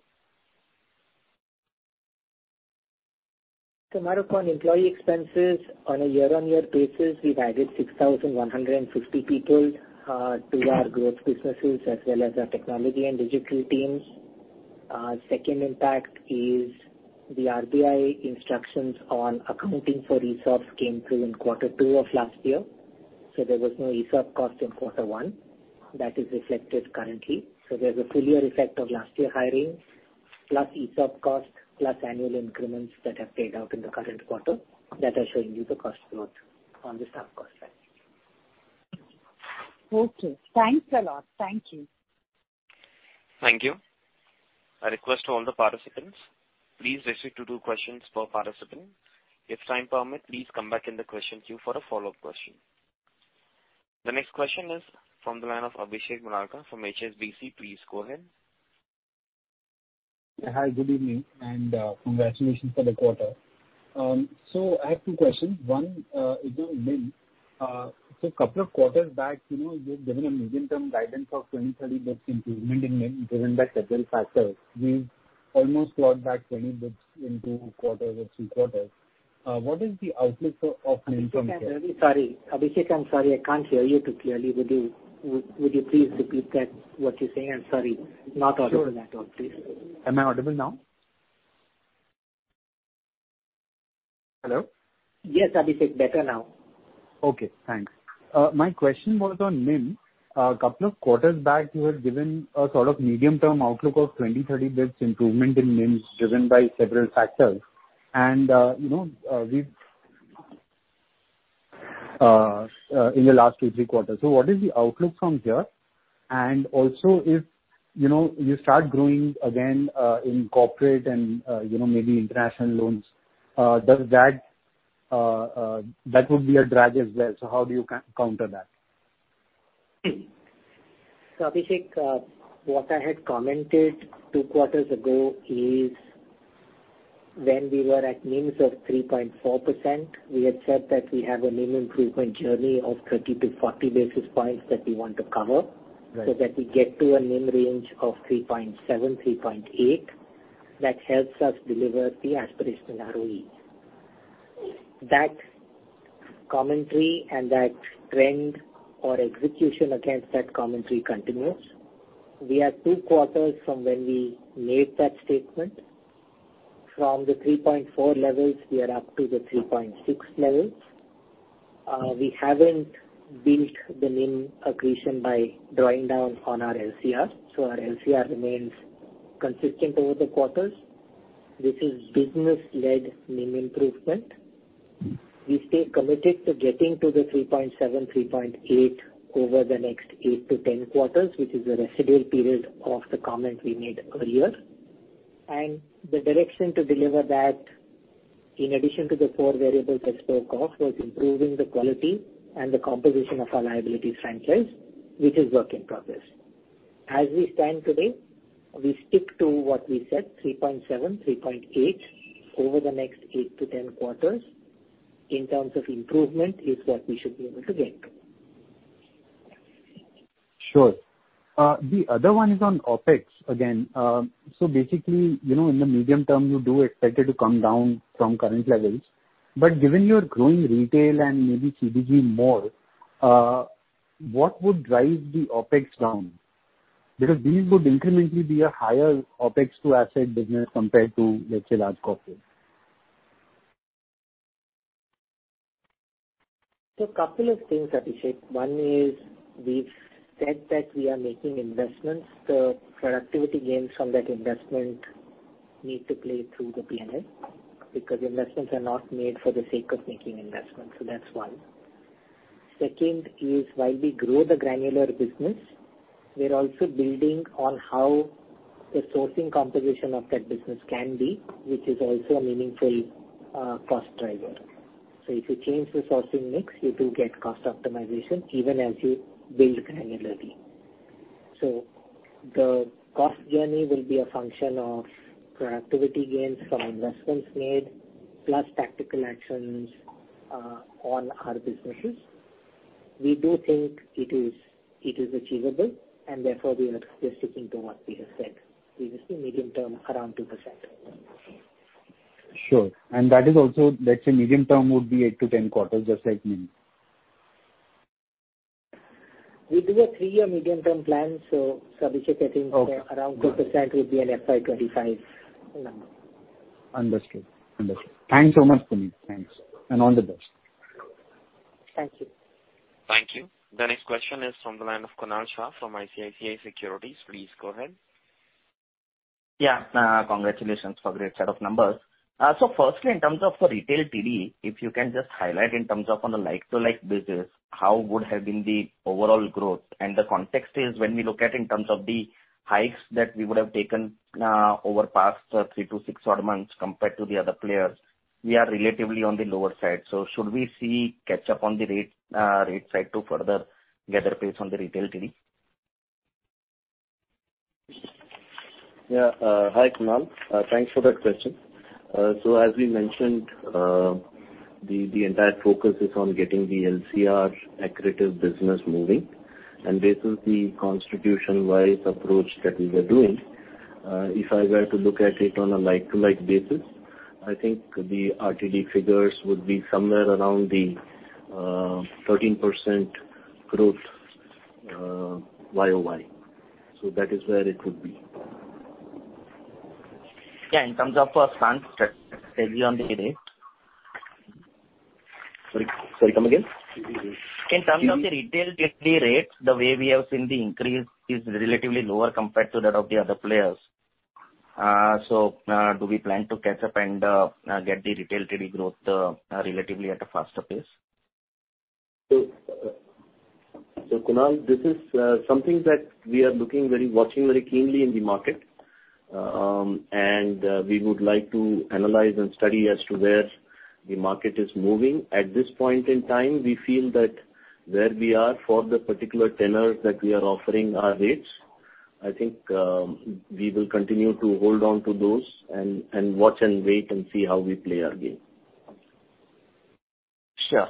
Mahrukh, on employee expenses, on a year-on-year basis, we've added 6,150 people to our growth businesses as well as our technology and digital teams. Second impact is the RBI instructions on accounting for ESOPs came through in quarter two of last year, so there was no ESOP cost in quarter one. That is reflected currently. There's a full year effect of last year hiring, plus ESOP cost, plus annual increments that have paid out in the current quarter that are showing you the cost growth on the staff cost side. Okay. Thanks a lot. Thank you. Thank you. A request to all the participants. Please restrict to two questions per participant. If time permit, please come back in the question queue for a follow-up question. The next question is from the line of Abhishek Murarka from HSBC. Please go ahead. Hi, good evening, and congratulations for the quarter. I have two questions. One is on NIM. A couple of quarters back, you know, you've given a medium-term guidance of 20-30 bits improvement in NIM driven by several factors. We've almost got back 20 bits in 2 quarters or 3 quarters. What is the outlook of NIM from here? Abhishek, I'm very sorry. Abhishek, I'm sorry, I can't hear you too clearly. Would you please repeat what you're saying? I'm sorry. Not audible at all. Please. Sure. Am I audible now? Hello? Yes, Abhishek, better now. Okay, thanks. My question was on NIM. A couple of quarters back, you had given a sort of medium-term outlook of 20-30 bps improvement in NIMs driven by several factors. And you know we've in the last 2-3 quarters. What is the outlook from here? And also if you know you start growing again in corporate and you know maybe international loans does that that would be a drag as well. How do you counter that? Abhishek, what I had commented two quarters ago is when we were at NIMs of 3.4%, we had said that we have a NIM improvement journey of 30-40 basis points that we want to cover. Right. that we get to a NIM range of 3.7%-3.8%. That helps us deliver the aspirational ROE. That commentary and that trend or execution against that commentary continues. We are 2 quarters from when we made that statement. From the 3.4 levels, we are up to the 3.6 levels. We haven't built the NIM accretion by drawing down on our LCR, so our LCR remains consistent over the quarters. This is business-led NIM improvement. We stay committed to getting to the 3.7%-3.8% over the next 8 to 10 quarters, which is the residual period of the comment we made earlier. The direction to deliver that, in addition to the four variables I spoke of, was improving the quality and the composition of our liabilities franchise, which is work in progress. As we stand today, we stick to what we said, 3.7%-3.8% over the next 8-10 quarters in terms of improvement is what we should be able to get. Sure. The other one is on OpEx again. Basically, you know, in the medium term, you do expect it to come down from current levels. Given your growing retail and maybe CBG more, what would drive the OpEx down? Because these would incrementally be a higher OpEx to asset business compared to, let's say, large corporate. A couple of things, Abhishek. One is we've said that we are making investments. The productivity gains from that investment need to play through the P&L because investments are not made for the sake of making investments. That's one. Second is while we grow the granular business, we're also building on how the sourcing composition of that business can be, which is also a meaningful cost driver. If you change the sourcing mix, you do get cost optimization even as you build granularity. The cost journey will be a function of productivity gains from investments made, plus tactical actions on our businesses. We do think it is achievable and therefore we are just sticking to what we have said previously, medium term around 2%. Sure. That is also, let's say medium term would be 8-10 quarters, just like me. We do a three-year medium-term plan. Abhishek, I think around 2% would be an FY 25 number. Understood. Thanks so much, Puneet. Thanks, and all the best. Thank you. Thank you. The next question is from the line of Kunal Shah from ICICI Securities. Please go ahead. Yeah. Congratulations for great set of numbers. Firstly, in terms of the retail TD, if you can just highlight in terms of on a like-to-like basis, how would have been the overall growth? The context is when we look at in terms of the hikes that we would have taken, over past 3 to 6 odd months compared to the other players, we are relatively on the lower side. Should we see catch up on the rate side to further gather pace on the retail TD? Yeah. Hi, Kunal. Thanks for that question. So as we mentioned, the entire focus is on getting the LCR accretive business moving, and this is the institution-wide approach that we are doing. If I were to look at it on a like-for-like basis, I think the RTD figures would be somewhere around the 13% growth YOY. That is where it would be. Yeah. In terms of, Sorry, come again. In terms of the retail TD rates, the way we have seen the increase is relatively lower compared to that of the other players. Do we plan to catch up and get the retail TD growth relatively at a faster pace? Kunal, this is something that we are watching very keenly in the market, and we would like to analyze and study as to where the market is moving. At this point in time, we feel that where we are for the particular tenors that we are offering our rates, I think, we will continue to hold on to those and watch and wait and see how we play our game. Sure.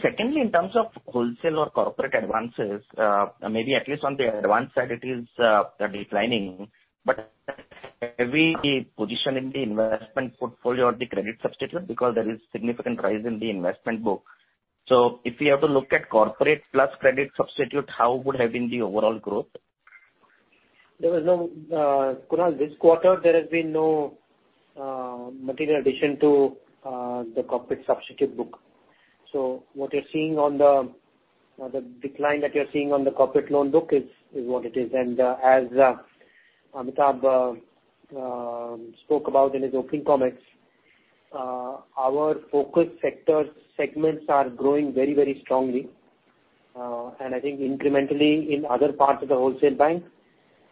Secondly, in terms of wholesale or corporate advances, maybe at least on the advance side it is declining, but heavy position in the investment portfolio or the credit substitute because there is significant rise in the investment book. If we have to look at corporate plus credit substitute, how would have been the overall growth? There was no, Kunal, this quarter there has been no, material addition to, the corporate substitute book. What you're seeing on the decline that you're seeing on the corporate loan book is what it is. As Amitabh spoke about in his opening comments, our focus sector segments are growing very, very strongly. I think incrementally in other parts of the wholesale bank,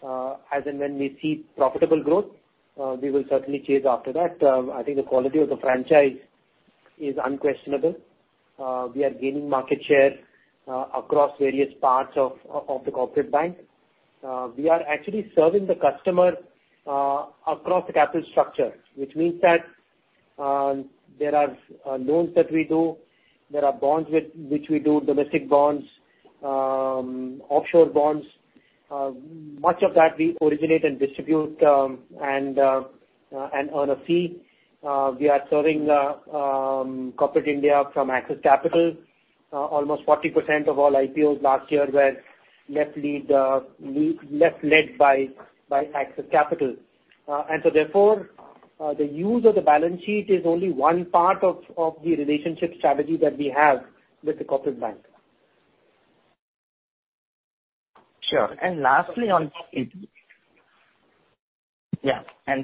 as and when we see profitable growth, we will certainly chase after that. I think the quality of the franchise is unquestionable. We are gaining market share, across various parts of the corporate bank. We are actually serving the customer across the capital structure, which means that there are loans that we do, there are bonds with which we do domestic bonds, offshore bonds. Much of that we originate and distribute, and earn a fee. We are serving corporate India from Axis Capital. Almost 40% of all IPOs last year were left led by Axis Capital. Therefore, the use of the balance sheet is only one part of the relationship strategy that we have with the corporate bank. Sure. Lastly, on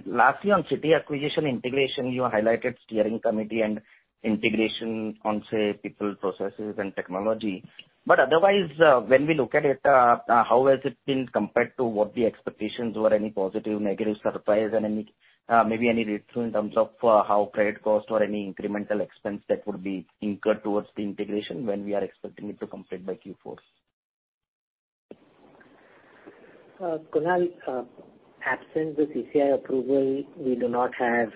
Citi acquisition integration, you highlighted steering committee and integration on, say, people, processes and technology. Otherwise, when we look at it, how has it been compared to what the expectations were, any positive, negative surprise and any, maybe any read-through in terms of, how credit cost or any incremental expense that would be incurred towards the integration when we are expecting it to complete by Q4? Kunal, absent the CCI approval, we do not have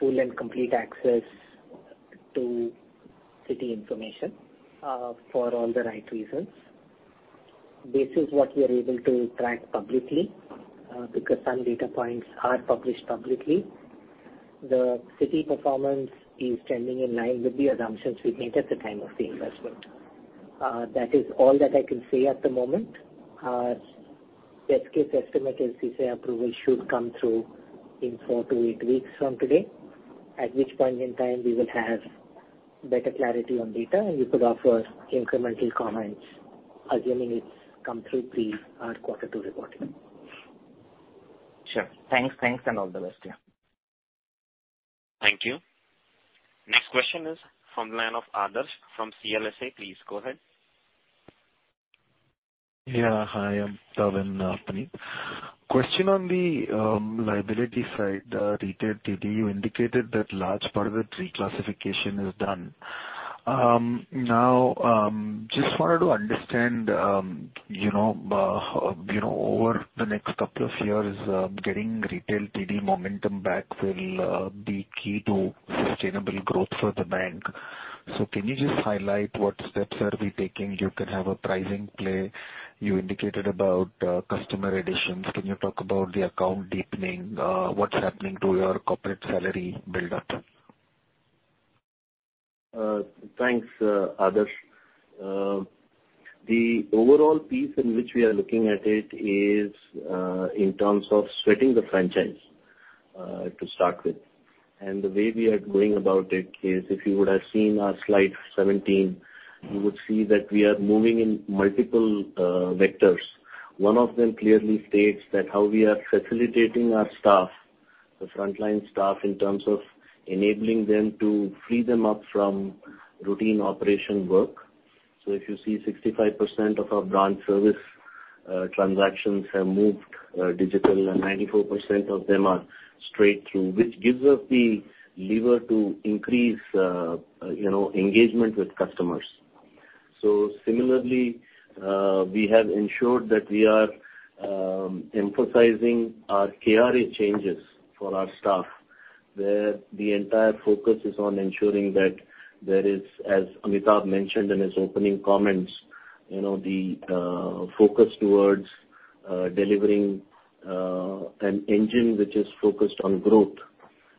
full and complete access to Citi information, for all the right reasons. This is what we are able to track publicly, because some data points are published publicly. The Citi performance is trending in line with the assumptions we made at the time of the investment. That is all that I can say at the moment. Our best case estimate is CCI approval should come through in 4-8 weeks from today, at which point in time we will have better clarity on data, and we could offer incremental comments, assuming it's come through pre our quarter two reporting. Sure. Thanks, and all the best. Yeah. Thank you. Next question is from the line of Adarsh from CLSA. Please go ahead. Yeah. Hi, Ravi, Puneet. Question on the liability side, retail TD, you indicated that large part of the reclassification is done. Now, just wanted to understand, you know, over the next couple of years, getting retail TD momentum back will be key to sustainable growth for the bank. Can you just highlight what steps are we taking? You can have a pricing play. You indicated about customer additions. Can you talk about the account deepening? What's happening to your corporate salary build-up? Thanks, Adarsh. The overall piece in which we are looking at it is in terms of sweating the franchise to start with. The way we are going about it is if you would have seen our slide 17, you would see that we are moving in multiple vectors. One of them clearly states that how we are facilitating our staff, the frontline staff, in terms of enabling them to free them up from routine operation work. If you see, 65% of our branch service transactions have moved digital and 94% of them are straight through, which gives us the lever to increase you know engagement with customers. Similarly, we have ensured that we are emphasizing our KRA changes for our staff, where the entire focus is on ensuring that there is, as Amitabh mentioned in his opening comments, you know, the focus towards delivering an engine which is focused on growth.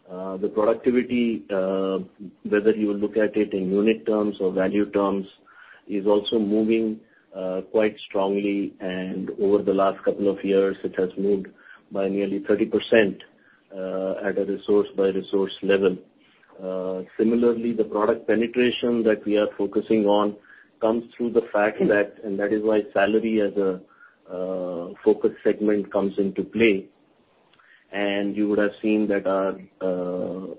The productivity, whether you look at it in unit terms or value terms, is also moving quite strongly, and over the last couple of years, it has moved by nearly 30%, at a resource by resource level. Similarly, the product penetration that we are focusing on comes through the fact that, and that is why salary as a focus segment comes into play. You would have seen that our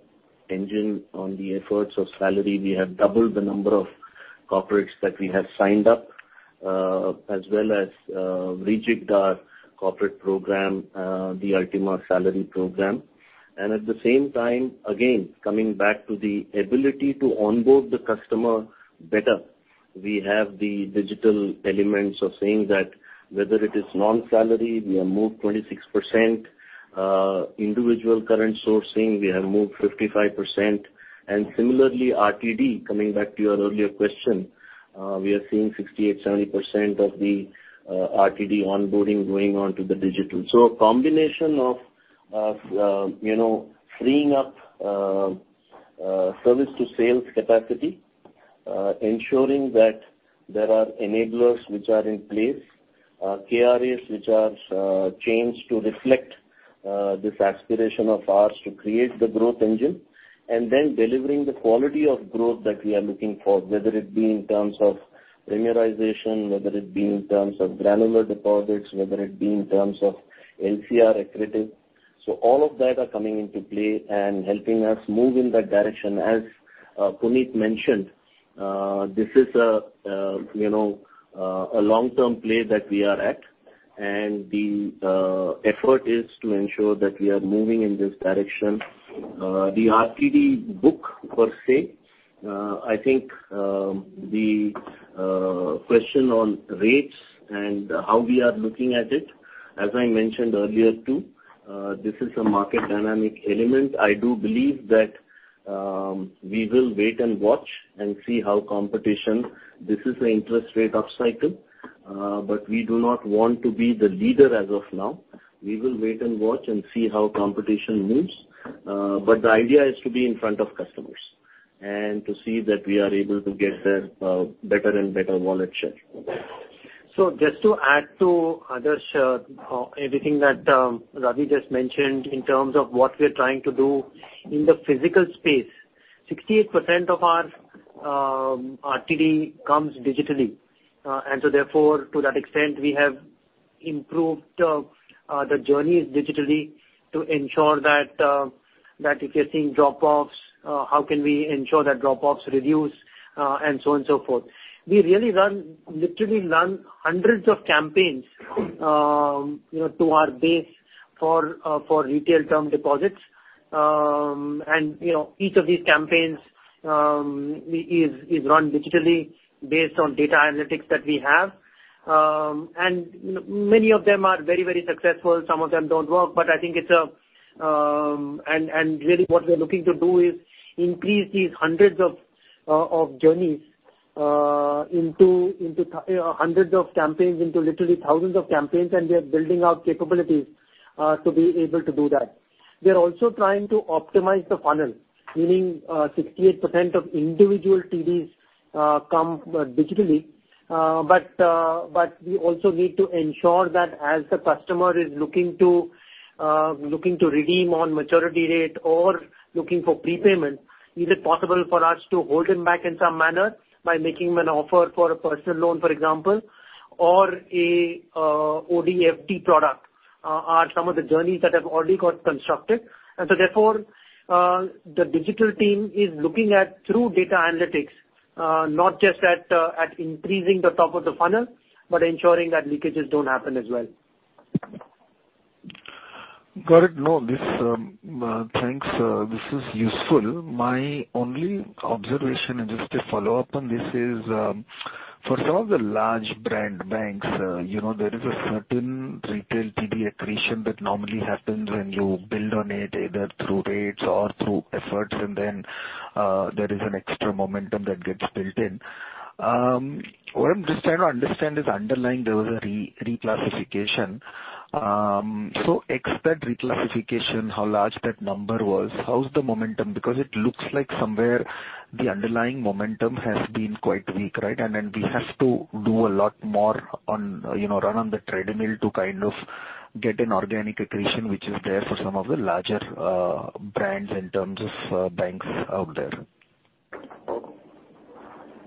engine on the efforts of salary, we have doubled the number of corporates that we have signed up, as well as, rejiggered our corporate program, the Ultima Salary Program. At the same time, again, coming back to the ability to onboard the customer better, we have the digital elements of saying that whether it is non-salary, we have moved 26%, individual current sourcing, we have moved 55%. Similarly, RTD, coming back to your earlier question, we are seeing 68-70% of the RTD onboarding going on to the digital. A combination of you know freeing up service to sales capacity ensuring that there are enablers which are in place KRAs which are changed to reflect this aspiration of ours to create the growth engine and then delivering the quality of growth that we are looking for whether it be in terms of premiumization whether it be in terms of granular deposits whether it be in terms of LCR accretive. All of that are coming into play and helping us move in that direction. As Puneet mentioned this is a you know a long-term play that we are at and the effort is to ensure that we are moving in this direction. The RTD book per se, I think, the question on rates and how we are looking at it, as I mentioned earlier, too, this is a market dynamic element. I do believe that we will wait and watch and see how competition. This is an interest rate upcycle, but we do not want to be the leader as of now. We will wait and watch and see how competition moves. The idea is to be in front of customers and to see that we are able to get their better and better wallet share. Just to add to Adarsh, everything that Ravi just mentioned in terms of what we're trying to do in the physical space. 68% of our TD comes digitally. Therefore, to that extent, we have improved the journeys digitally to ensure that if you're seeing drop-offs, how can we ensure that drop-offs reduce, and so on and so forth. We really run literally hundreds of campaigns, you know, to our base for retail term deposits. You know, each of these campaigns is run digitally based on data analytics that we have. Many of them are very, very successful. Some of them don't work, but I think it's a... Really what we're looking to do is increase these hundreds of journeys into literally thousands of campaigns, and we are building out capabilities to be able to do that. We are also trying to optimize the funnel, meaning 68% of individual TDs come digitally. We also need to ensure that as the customer is looking to redeem on maturity date or looking for prepayment, is it possible for us to hold them back in some manner by making them an offer for a personal loan, for example, or a OD against FD product, are some of the journeys that have already got constructed. Therefore, the digital team is looking at through data analytics, not just at increasing the top of the funnel, but ensuring that leakages don't happen as well. Got it. No, this, Thanks. This is useful. My only observation and just a follow-up on this is, for some of the large brand banks, you know, there is a certain retail TD accretion that normally happens when you build on it, either through rates or through efforts, and then, there is an extra momentum that gets built in. What I'm just trying to understand is underlying there was a reclassification. So except reclassification, how large that number was, how's the momentum? Because it looks like somewhere the underlying momentum has been quite weak, right? Then we have to do a lot more on, you know, run on the treadmill to kind of get an organic accretion, which is there for some of the larger, brands in terms of, banks out there.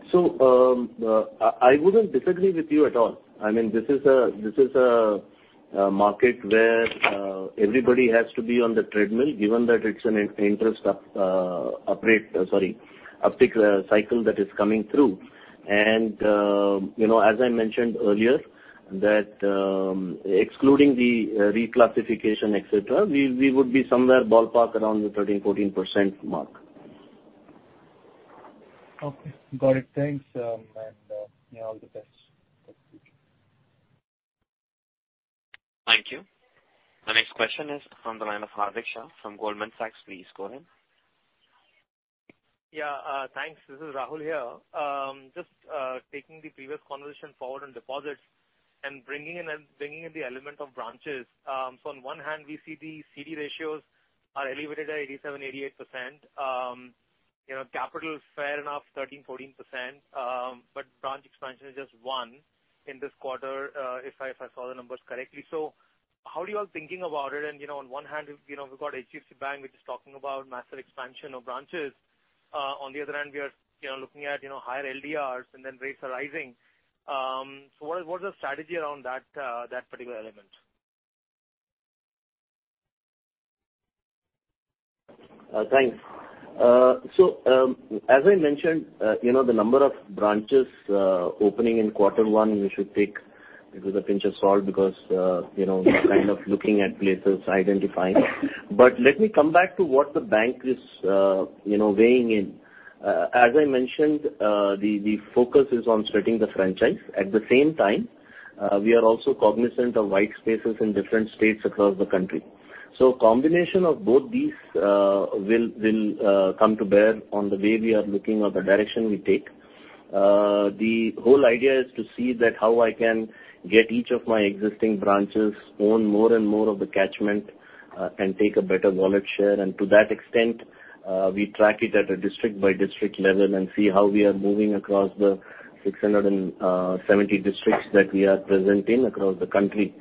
I wouldn't disagree with you at all. I mean, this is a market where everybody has to be on the treadmill, given that it's an interest rate uptick cycle that is coming through. You know, as I mentioned earlier, excluding the reclassification, et cetera, we would be somewhere ballpark around the 13%-14% mark. Okay. Got it. Thanks. Yeah, all the best. Thank you. The next question is on the line of Rahul Jain from Goldman Sachs. Please go ahead. Yeah. Thanks. This is Rahul here. Just taking the previous conversation forward on deposits and bringing in the element of branches. On one hand, we see the CD ratios are elevated at 87%-88%. You know, capital is fair enough, 13%-14%. Branch expansion is just 1 in this quarter, if I saw the numbers correctly. How are you all thinking about it? You know, on one hand, you know, we've got HDFC Bank, which is talking about massive expansion of branches. On the other hand, we are, you know, looking at, you know, higher LDRs and then rates are rising. What is the strategy around that particular element? Thanks. As I mentioned, you know, the number of branches opening in quarter one, we should take with a pinch of salt because, you know we're kind of looking at places, identifying. Let me come back to what the bank is, you know, weighing in. As I mentioned, the focus is on sweating the franchise. At the same time, we are also cognizant of white spaces in different states across the country. Combination of both these will come to bear on the way we are looking or the direction we take. The whole idea is to see that how I can get each of my existing branches own more and more of the catchment, and take a better wallet share. To that extent, we track it at a district-by-district level and see how we are moving across the 670 districts that we are present in across the country.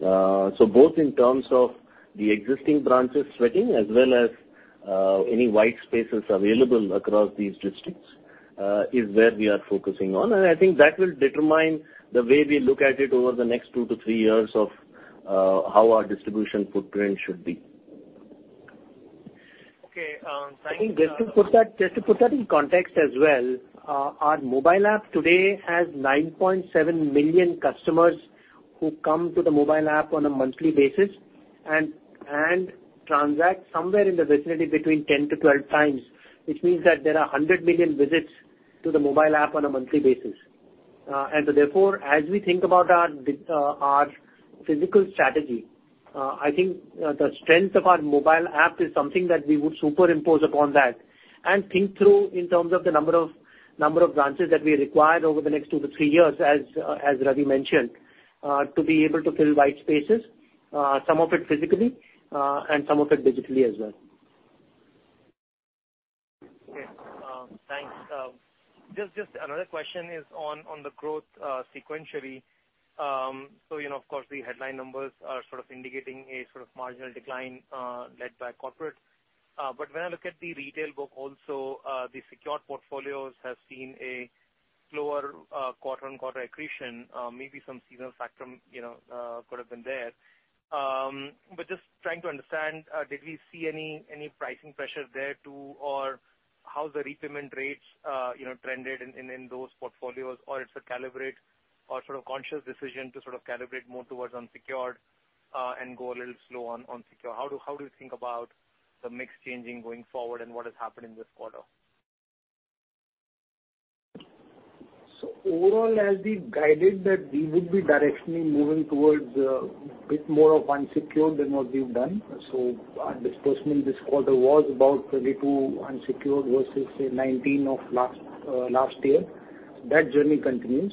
Both in terms of the existing branches sweating as well as any white spaces available across these districts is where we are focusing on. I think that will determine the way we look at it over the next 2 to 3 years of how our distribution footprint should be. Okay. Thank you. I think just to put that in context as well, our mobile app today has 9.7 million customers who come to the mobile app on a monthly basis and transact somewhere in the vicinity between 10-12 times, which means that there are 100 million visits to the mobile app on a monthly basis. Therefore, as we think about our physical strategy, I think the strength of our mobile app is something that we would superimpose upon that and think through in terms of the number of branches that we require over the next 2-3 years, as Ravi mentioned, to be able to fill white spaces, some of it physically and some of it digitally as well. Okay. Thanks. Just another question is on the growth sequentially. You know, of course, the headline numbers are sort of indicating a sort of marginal decline led by corporate. When I look at the retail book also, the secured portfolios have seen a lower quarter-over-quarter accretion, maybe some seasonal factor, you know, could have been there. Just trying to understand, did we see any pricing pressure there too? Or how's the repayment rates, you know, trended in those portfolios? Or it's a calibration or sort of conscious decision to sort of calibrate more towards unsecured and go a little slow on secured. How do you think about the mix changing going forward and what has happened in this quarter? Overall, as we've guided that we would be directionally moving towards bit more of unsecured than what we've done. Our disbursement this quarter was about 32% unsecured versus, say, 19% of last year. That journey continues.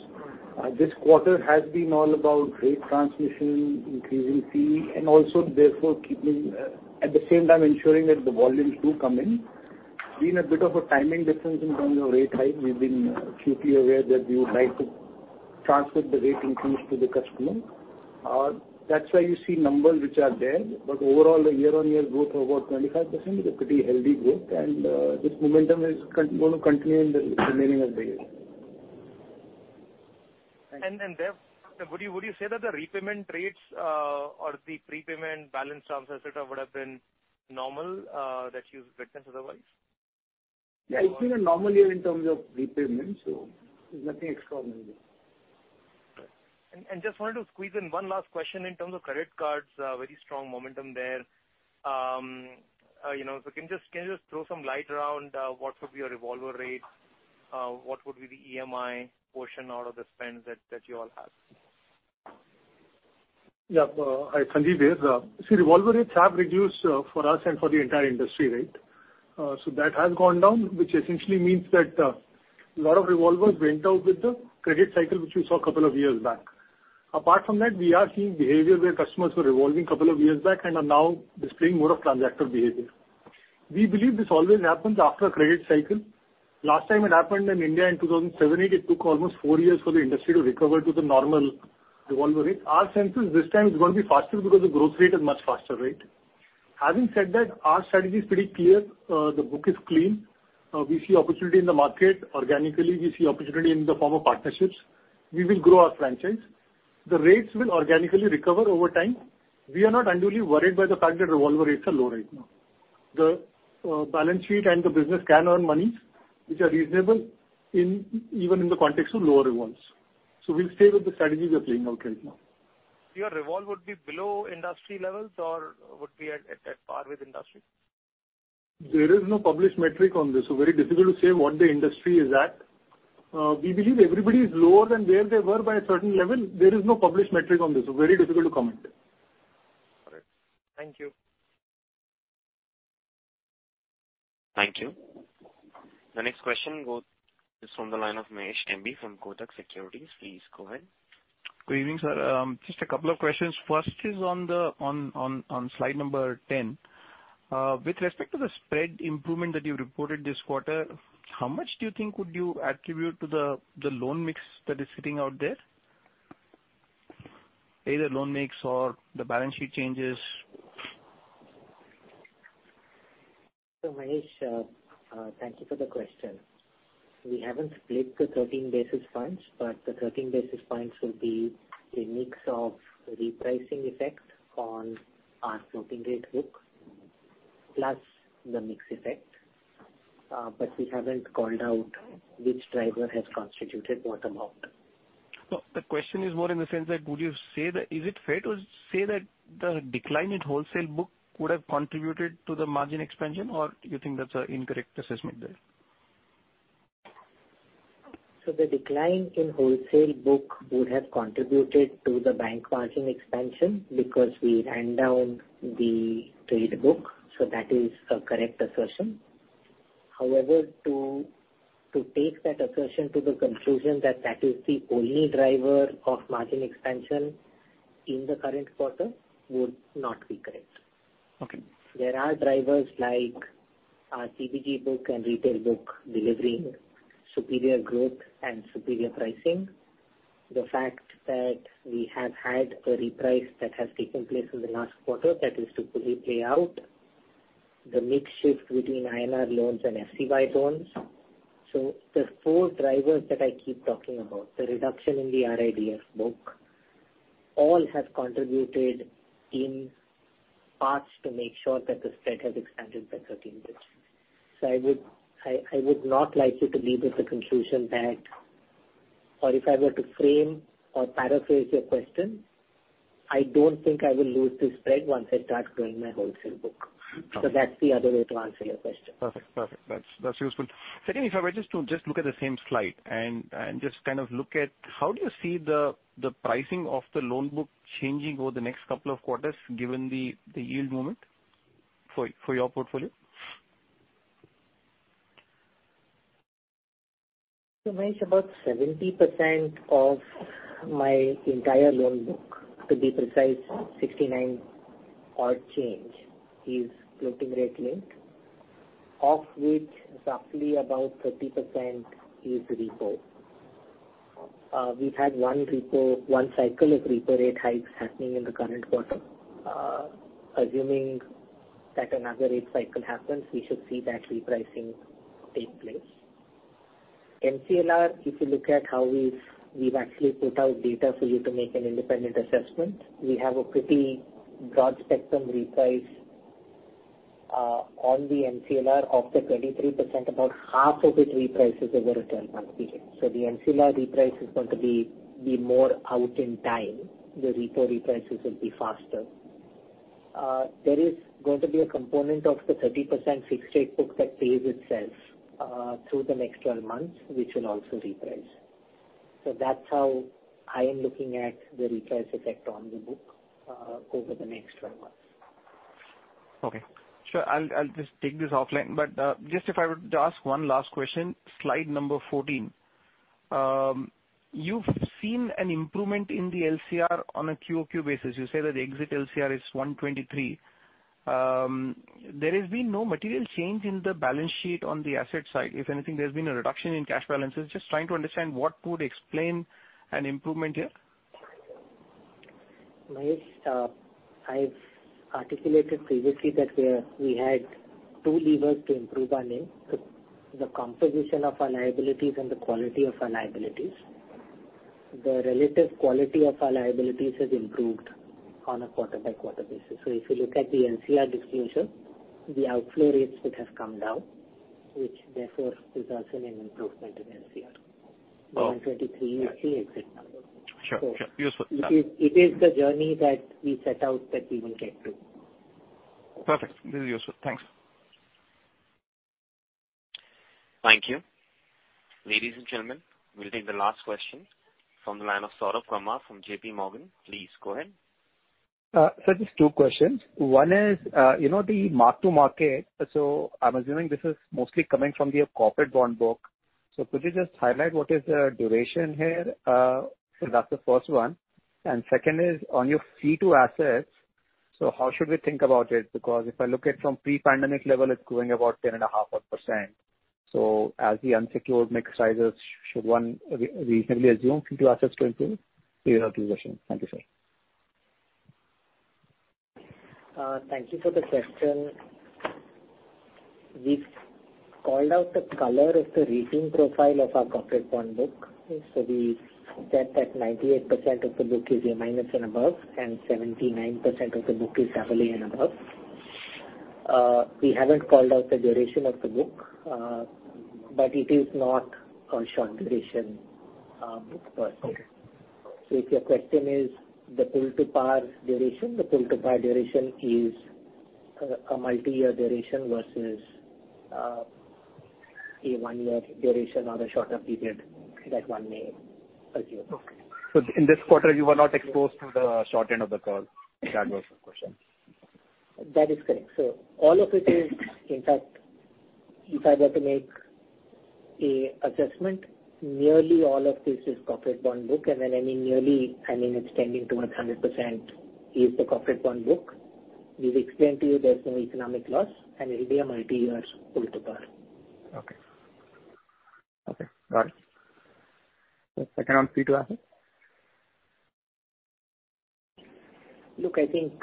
This quarter has been all about rate transmission, increasing fee, and also therefore keeping at the same time ensuring that the volumes do come in. Been a bit of a timing difference in terms of rate hike. We've been acutely aware that we would like to transmit the rate increase to the customer. That's why you see numbers which are there. Overall, the year-on-year growth of about 25% is a pretty healthy growth. This momentum is gonna continue in the remaining of the year. Would you say that the repayment rates, or the prepayment balance terms et cetera would have been normal, that you've witnessed otherwise? Yeah. It's been a normal year in terms of repayment, so there's nothing extraordinary. Just wanted to squeeze in one last question in terms of credit cards, very strong momentum there. You know, can you just throw some light around what would be your revolver rate? What would be the EMI portion out of the spend that you all have? Hi, Sandeep here. See, revolver rates have reduced for us and for the entire industry, right? That has gone down, which essentially means that a lot of revolvers went out with the credit cycle, which we saw a couple of years back. Apart from that, we are seeing behavior where customers were revolving couple of years back and are now displaying more of transactor behavior. We believe this always happens after a credit cycle. Last time it happened in India in 2007/08, it took almost four years for the industry to recover to the normal revolver rate. Our sense is this time it's gonna be faster because the growth rate is much faster, right? Having said that, our strategy is pretty clear. The book is clean. We see opportunity in the market organically. We see opportunity in the form of partnerships. We will grow our franchise. The rates will organically recover over time. We are not unduly worried by the fact that revolver rates are low right now. The balance sheet and the business can earn monies which are reasonable in, even in the context of lower revolvers. We'll stay with the strategy we are playing out right now. Your ROE would be below industry levels or would be at par with industry? There is no published metric on this, so very difficult to say what the industry is at. We believe everybody is lower than where they were by a certain level. There is no published metric on this, so very difficult to comment there. All right. Thank you. Thank you. The next question is from the line of M B Mahesh from Kotak Securities. Please go ahead. Good evening, sir. Just a couple of questions. First is on the slide number 10. With respect to the spread improvement that you reported this quarter, how much do you think would you attribute to the loan mix that is sitting out there? Either loan mix or the balance sheet changes. Mahesh, thank you for the question. We haven't split the 13 basis points, but the 13 basis points will be a mix of repricing effect on our floating rate book, plus the mix effect. We haven't called out which driver has constituted what amount. No. The question is more in the sense that is it fair to say that the decline in wholesale book would have contributed to the margin expansion, or you think that's an incorrect assessment there? The decline in wholesale book would have contributed to the bank margin expansion because we ran down the trade book, so that is a correct assertion. However, to take that assertion to the conclusion that that is the only driver of margin expansion in the current quarter would not be correct. Okay. There are drivers like our CBG book and retail book delivering superior growth and superior pricing. The fact that we have had a reprice that has taken place in the last quarter, that is to fully play out. The mix shift between INR loans and FCY loans. The 4 drivers that I keep talking about, the reduction in the RIDF book, all have contributed in part to make sure that the spread has expanded by 13 basis points. I would not like you to leave with the conclusion that, or if I were to frame or paraphrase your question, I don't think I will lose this spread once I start growing my wholesale book. Okay. That's the other way to answer your question. Perfect. That's useful. Secondly, if I were just to look at the same slide and just kind of look at how do you see the pricing of the loan book changing over the next couple of quarters given the yield movement for your portfolio? Mahesh, about 70% of my entire loan book, to be precise, 69 odd change, is floating rate link. Of which, roughly about 30% is repo. We've had one repo, one cycle of repo rate hikes happening in the current quarter. Assuming that another rate cycle happens, we should see that repricing take place. MCLR, if you look at how we've actually put out data for you to make an independent assessment. We have a pretty broad spectrum reprice on the MCLR. Of the 23%, about half of it reprices over a 12-month period. The MCLR reprice is going to be more out in time. The repo reprices will be faster. There is going to be a component of the 30% fixed rate book that pays itself through the next 12 months, which will also reprice. That's how I am looking at the reprice effect on the book, over the next 12 months. Okay. Sure. I'll just take this offline. Just if I would ask one last question. Slide number 14. You've seen an improvement in the LCR on a QOQ basis. You say that the exit LCR is 123. There has been no material change in the balance sheet on the asset side. If anything, there's been a reduction in cash balances. Just trying to understand what would explain an improvement here. Mahesh, I've articulated previously that we had two levers to improve our NIM. The composition of our liabilities and the quality of our liabilities. The relative quality of our liabilities has improved on a quarter-by-quarter basis. If you look at the LCR disclosure, the outflow rates would have come down, which therefore is also an improvement in LCR. Oh. 123. You see, exit number. Sure, sure. Useful. It is the journey that we set out that we will get to. Perfect. This is useful. Thanks. Thank you. Ladies and gentlemen, we'll take the last question from the line of Saurabh Kumar from JPMorgan. Please go ahead. Sir, just two questions. One is, you know, the mark-to-market, so I'm assuming this is mostly coming from your corporate bond book. Could you just highlight what is the duration here? That's the first one. Second is on your fee to assets. How should we think about it? Because if I look at from pre-pandemic level, it's growing about 10.5% odd. As the unsecured mix rises, should one reasonably assume fee to asset is going to be your optimization? Thank you, sir. Thank you for the question. We've called out the color of the rating profile of our corporate bond book. We said that 98% of the book is A- and above, and 79% of the book is AA and above. We haven't called out the duration of the book, but it is not a short duration book per se. Okay. If your question is the pull-to-par duration, the pull-to-par duration is a multi-year duration versus a one-year duration or a shorter period that one may assume. Okay. In this quarter you were not exposed to the short end of the curve? That was the question. That is correct. All of it is. In fact, if I were to make a assessment, nearly all of this is corporate bond book. When I mean nearly, I mean it's tending towards 100% is the corporate bond book. We've explained to you there's no economic loss and it'll be a multi-year pull to par. Okay, got it. The second one, fee to asset? Look, I think,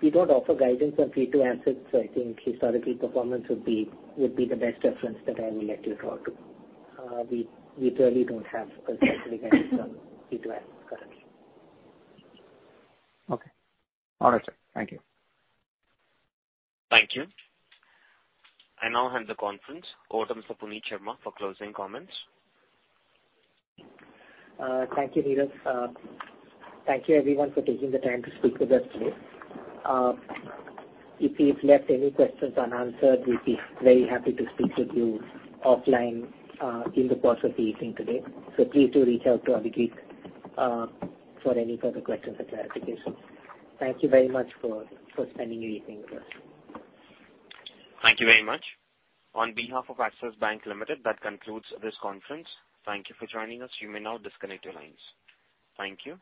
we don't offer guidance on fee to assets. I think historically performance would be the best reference that I will let you draw to. We really don't have a specific guidance on fee to assets currently. Okay. All right, sir. Thank you. Thank you. I now hand the conference over to Puneet Sharma for closing comments. Thank you, Neeraj. Thank you everyone for taking the time to speak with us today. If we've left any questions unanswered, we'd be very happy to speak with you offline in the course of the evening today. Please do reach out to Abhijeet for any further questions or clarifications. Thank you very much for spending your evening with us. Thank you very much. On behalf of Axis Bank Limited, that concludes this conference. Thank you for joining us. You may now disconnect your lines. Thank you.